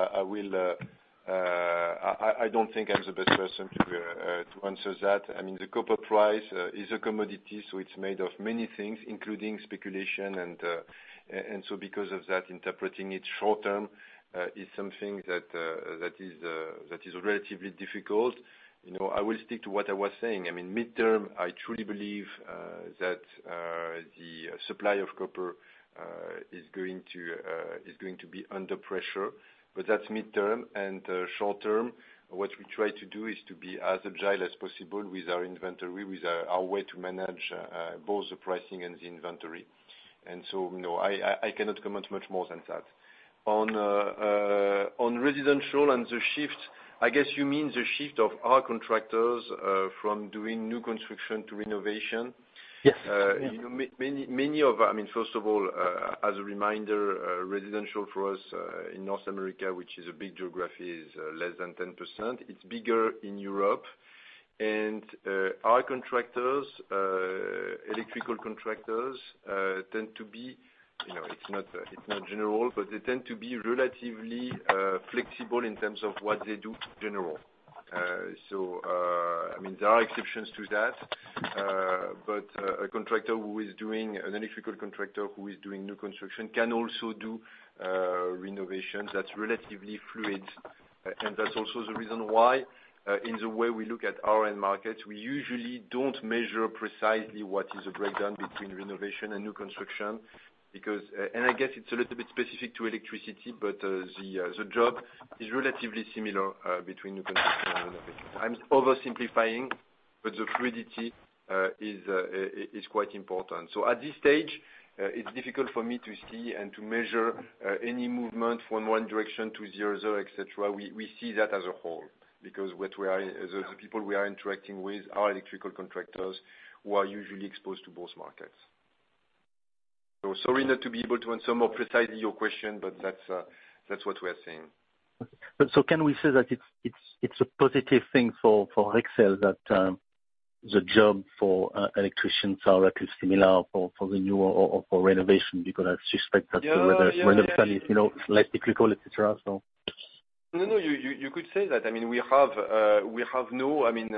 I don't think I'm the best person to answer that. I mean, the copper price is a commodity, so it's made of many things, including speculation and so because of that, interpreting it short term is something that that is relatively difficult. You know, I will stick to what I was saying. I mean, midterm, I truly believe that the supply of copper is going to be under pressure, but that's midterm. Short term, what we try to do is to be as agile as possible with our inventory, with our way to manage both the pricing and the inventory. No, I cannot comment much more than that. On residential and the shift, I guess you mean the shift of our contractors from doing new construction to renovation? Yes. You know, I mean, first of all, as a reminder, residential for us, in North America, which is a big geography, is less than 10%. It's bigger in Europe. Our contractors, electrical contractors, tend to be, you know, it's not general, but they tend to be relatively flexible in terms of what they do generally. I mean, there are exceptions to that, but an electrical contractor who is doing new construction can also do renovations. That's relatively fluid. That's also the reason why, in the way we look at our end markets, we usually don't measure precisely what is the breakdown between renovation and new construction because I guess it's a little bit specific to electricity, but the job is relatively similar between new construction and renovation. I'm oversimplifying, but the fluidity is quite important. At this stage, it's difficult for me to see and to measure any movement from one direction to the other, et cetera. We see that as a whole because what we are, the people we are interacting with are electrical contractors who are usually exposed to both markets. Sorry not to be able to answer more precisely your question, but that's what we are seeing. Can we say that it's a positive thing for Rexel that the jobs for electricians are at least similar for the new or for renovation? Because I suspect that the renovation is, you know, less cyclical, et cetera, so. No, you could say that. I mean, we have no in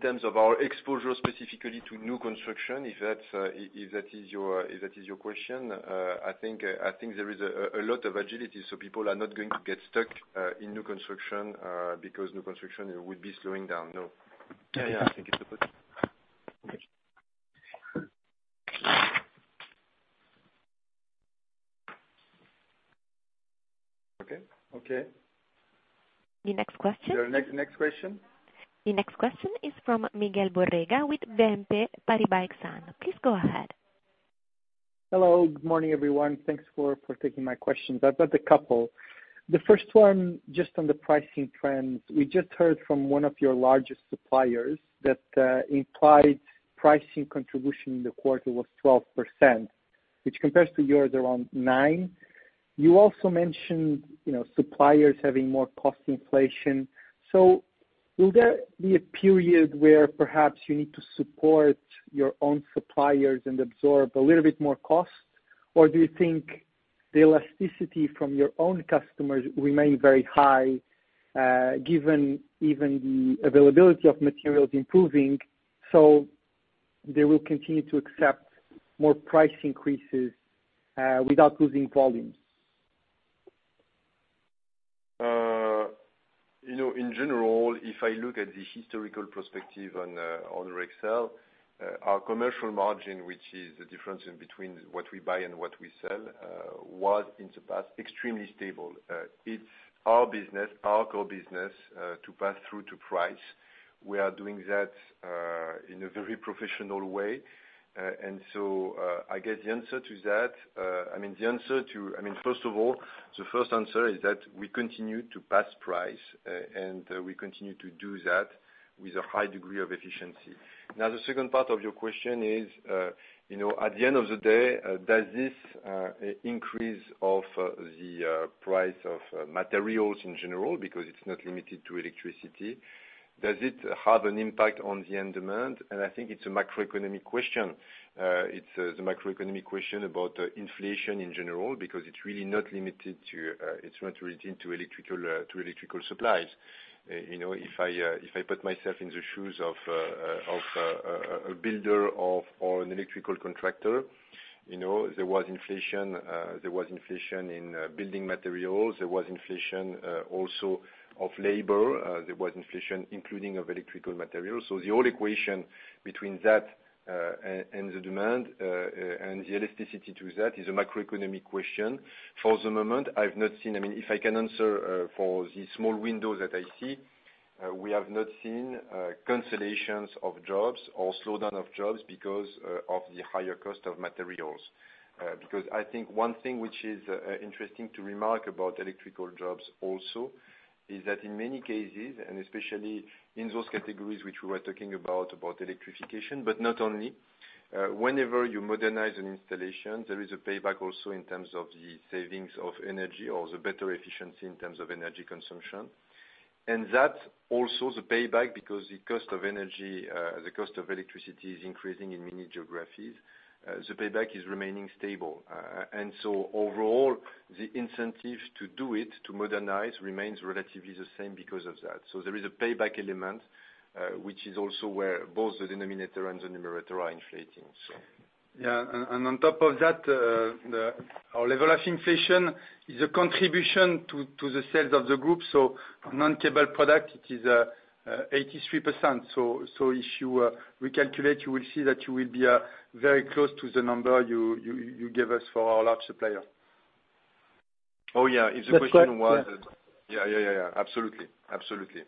terms of our exposure specifically to new construction, if that is your question, I think there is a lot of agility, so people are not going to get stuck in new construction because new construction would be slowing down. No. Yeah, yeah. Thank you. Okay. Okay. Okay. The next question. The next question. The next question is from Miguel Borrega with BNP Paribas Exane. Please go ahead. Hello, good morning, everyone. Thanks for taking my questions. I've got a couple. The first one, just on the pricing trends. We just heard from one of your largest suppliers that implied pricing contribution in the quarter was 12%, which compares to yours around 9%. You also mentioned, you know, suppliers having more cost inflation. Will there be a period where perhaps you need to support your own suppliers and absorb a little bit more cost, or do you think the elasticity from your own customers remain very high, given even the availability of materials improving, so they will continue to accept more price increases without losing volumes? You know, in general, if I look at the historical perspective on Rexel, our commercial margin, which is the difference in between what we buy and what we sell, was in the past extremely stable. It's our business, our core business, to pass through to price. We are doing that in a very professional way. I guess the answer to that, I mean, first of all, the first answer is that we continue to pass price, and we continue to do that with a high degree of efficiency. Now, the second part of your question is, you know, at the end of the day, does this increase of the price of materials in general, because it's not limited to electricity, have an impact on the end demand? I think it's a macroeconomic question. It's the macroeconomic question about inflation in general, because it's really not limited to electrical supplies. You know, if I put myself in the shoes of a builder or an electrical contractor, you know, there was inflation in building materials. There was inflation also of labor. There was inflation including of electrical materials. The old equation between that, and the demand, and the elasticity to that is a macroeconomic question. For the moment, I mean, if I can answer, for the small window that I see, we have not seen cancellations of jobs or slowdown of jobs because of the higher cost of materials. Because I think one thing which is interesting to remark about electrical jobs also is that in many cases, and especially in those categories which we were talking about electrification, but not only, whenever you modernize an installation, there is a payback also in terms of the savings of energy or the better efficiency in terms of energy consumption. That also the payback, because the cost of energy, the cost of electricity is increasing in many geographies. The payback is remaining stable. Overall, the incentive to do it, to modernize, remains relatively the same because of that. There is a payback element, which is also where both the denominator and the numerator are inflating. Yeah. On top of that, our level of inflation is a contribution to the sales of the group. Non-cable product, it is 83%. If you recalculate, you will see that you will be very close to the number you give us for our large supplier. Oh, yeah. If the question was. That's right. Yeah. Yeah, yeah. Absolutely. Absolutely.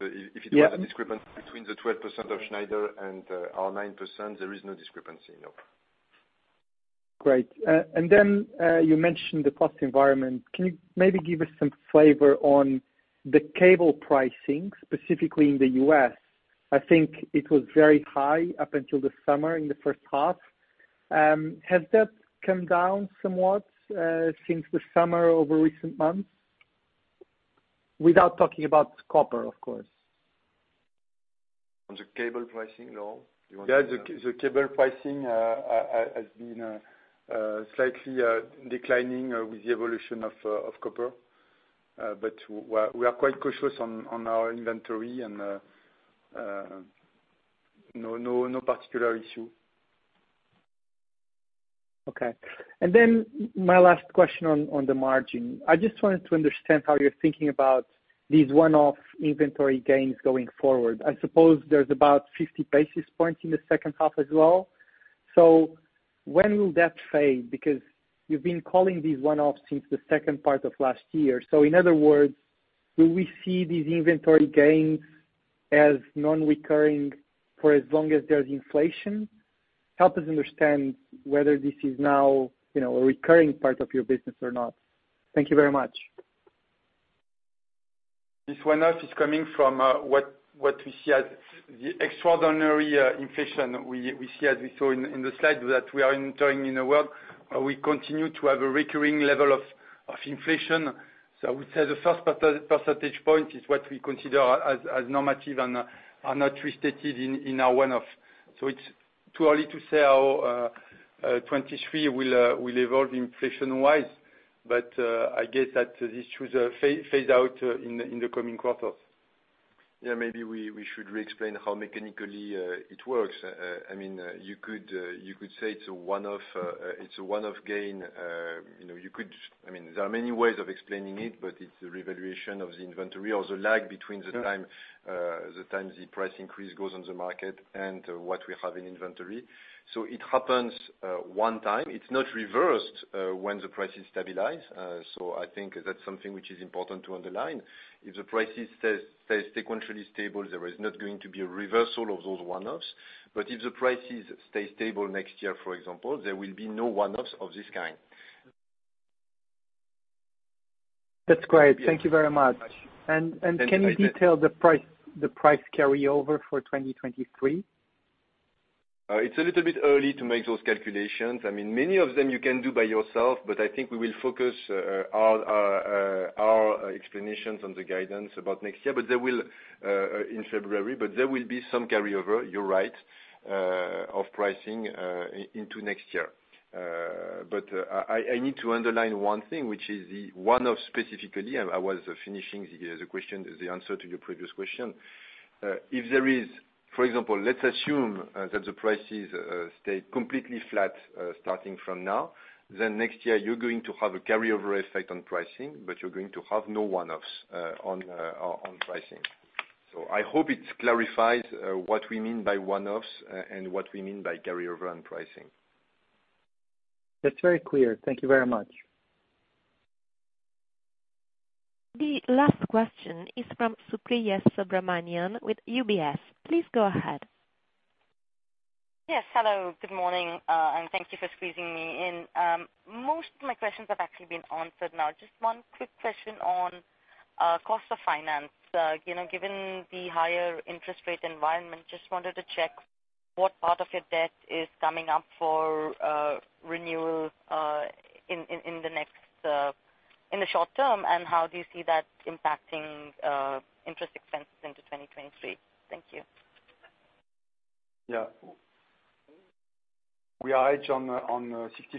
Yeah. If it was a discrepancy between the 12% of Schneider and our 9%, there is no discrepancy, no. Great. You mentioned the cost environment. Can you maybe give us some flavor on the cable pricing, specifically in the U.S.? I think it was very high up until the summer in the first half. Has that come down somewhat, since the summer over recent months? Without talking about copper, of course. On the cable pricing in all? You want- Yeah. The cable pricing has been slightly declining with the evolution of copper. We are quite cautious on our inventory and no particular issue. Okay. My last question on the margin. I just wanted to understand how you're thinking about these one-off inventory gains going forward. I suppose there's about 50 basis points in the second half as well. When will that fade? Because you've been calling these one-offs since the second part of last year. In other words, will we see these inventory gains as non-recurring for as long as there's inflation? Help us understand whether this is now, you know, a recurring part of your business or not. Thank you very much. This one-off is coming from what we see as the extraordinary inflation we see, as we saw in the slide, that we are entering in a world where we continue to have a recurring level of inflation. I would say the first percentage point is what we consider as normative and are not restated in our one-off. It's too early to say how 2023 will evolve inflation-wise. I guess that this should phase out in the coming quarters. Yeah, maybe we should re-explain how mechanically it works. I mean, you could say it's a one-off, it's a one-off gain. You know, you could. I mean, there are many ways of explaining it, but it's a revaluation of the inventory or the lag between the time the price increase goes on the market and what we have in inventory. So it happens one time. It's not reversed when the price is stabilized. So I think that's something which is important to underline. If the price stays sequentially stable, there is not going to be a reversal of those one-offs. But if the prices stay stable next year, for example, there will be no one-offs of this kind. That's great. Thank you very much. Can you detail the price carryover for 2023? It's a little bit early to make those calculations. I mean, many of them you can do by yourself, but I think we will focus our explanations on the guidance about next year. There will in February, but there will be some carryover, you're right, of pricing into next year. I need to underline one thing, which is the one-off specifically. I was finishing the answer to your previous question. For example, let's assume that the prices stay completely flat starting from now, then next year you're going to have a carryover effect on pricing, but you're going to have no one-offs on pricing. I hope it clarifies what we mean by one-offs and what we mean by carryover on pricing. That's very clear. Thank you very much. The last question is from Supriya Subramanian with UBS. Please go ahead. Yes, hello. Good morning. Thank you for squeezing me in. Most of my questions have actually been answered now. Just one quick question on cost of finance. You know, given the higher interest rate environment, just wanted to check what part of your debt is coming up for renewal in the short term, and how do you see that impacting interest expenses into 2023? Thank you. Yeah. We are hedged on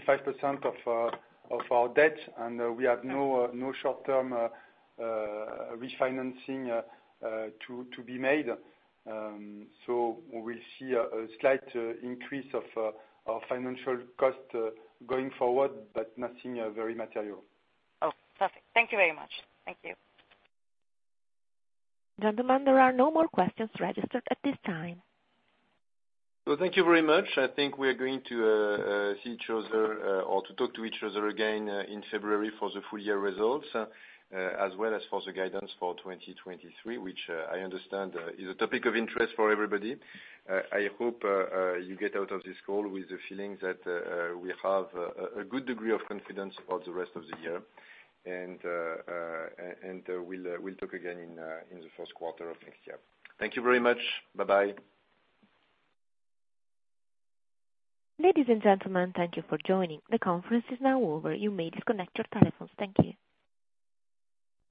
65% of our debt, and we have no short-term refinancing to be made. We'll see a slight increase of our financial cost going forward, but nothing very material. Oh, perfect. Thank you very much. Thank you. Gentlemen, there are no more questions registered at this time. Well, thank you very much. I think we're going to see each other or to talk to each other again in February for the full year results as well as for the guidance for 2023, which I understand is a topic of interest for everybody. I hope you get out of this call with the feeling that we have a good degree of confidence about the rest of the year. We'll talk again in the first quarter of next year. Thank you very much. Bye-bye. Ladies and gentlemen, thank you for joining. The conference is now over. You may disconnect your telephones. Thank you.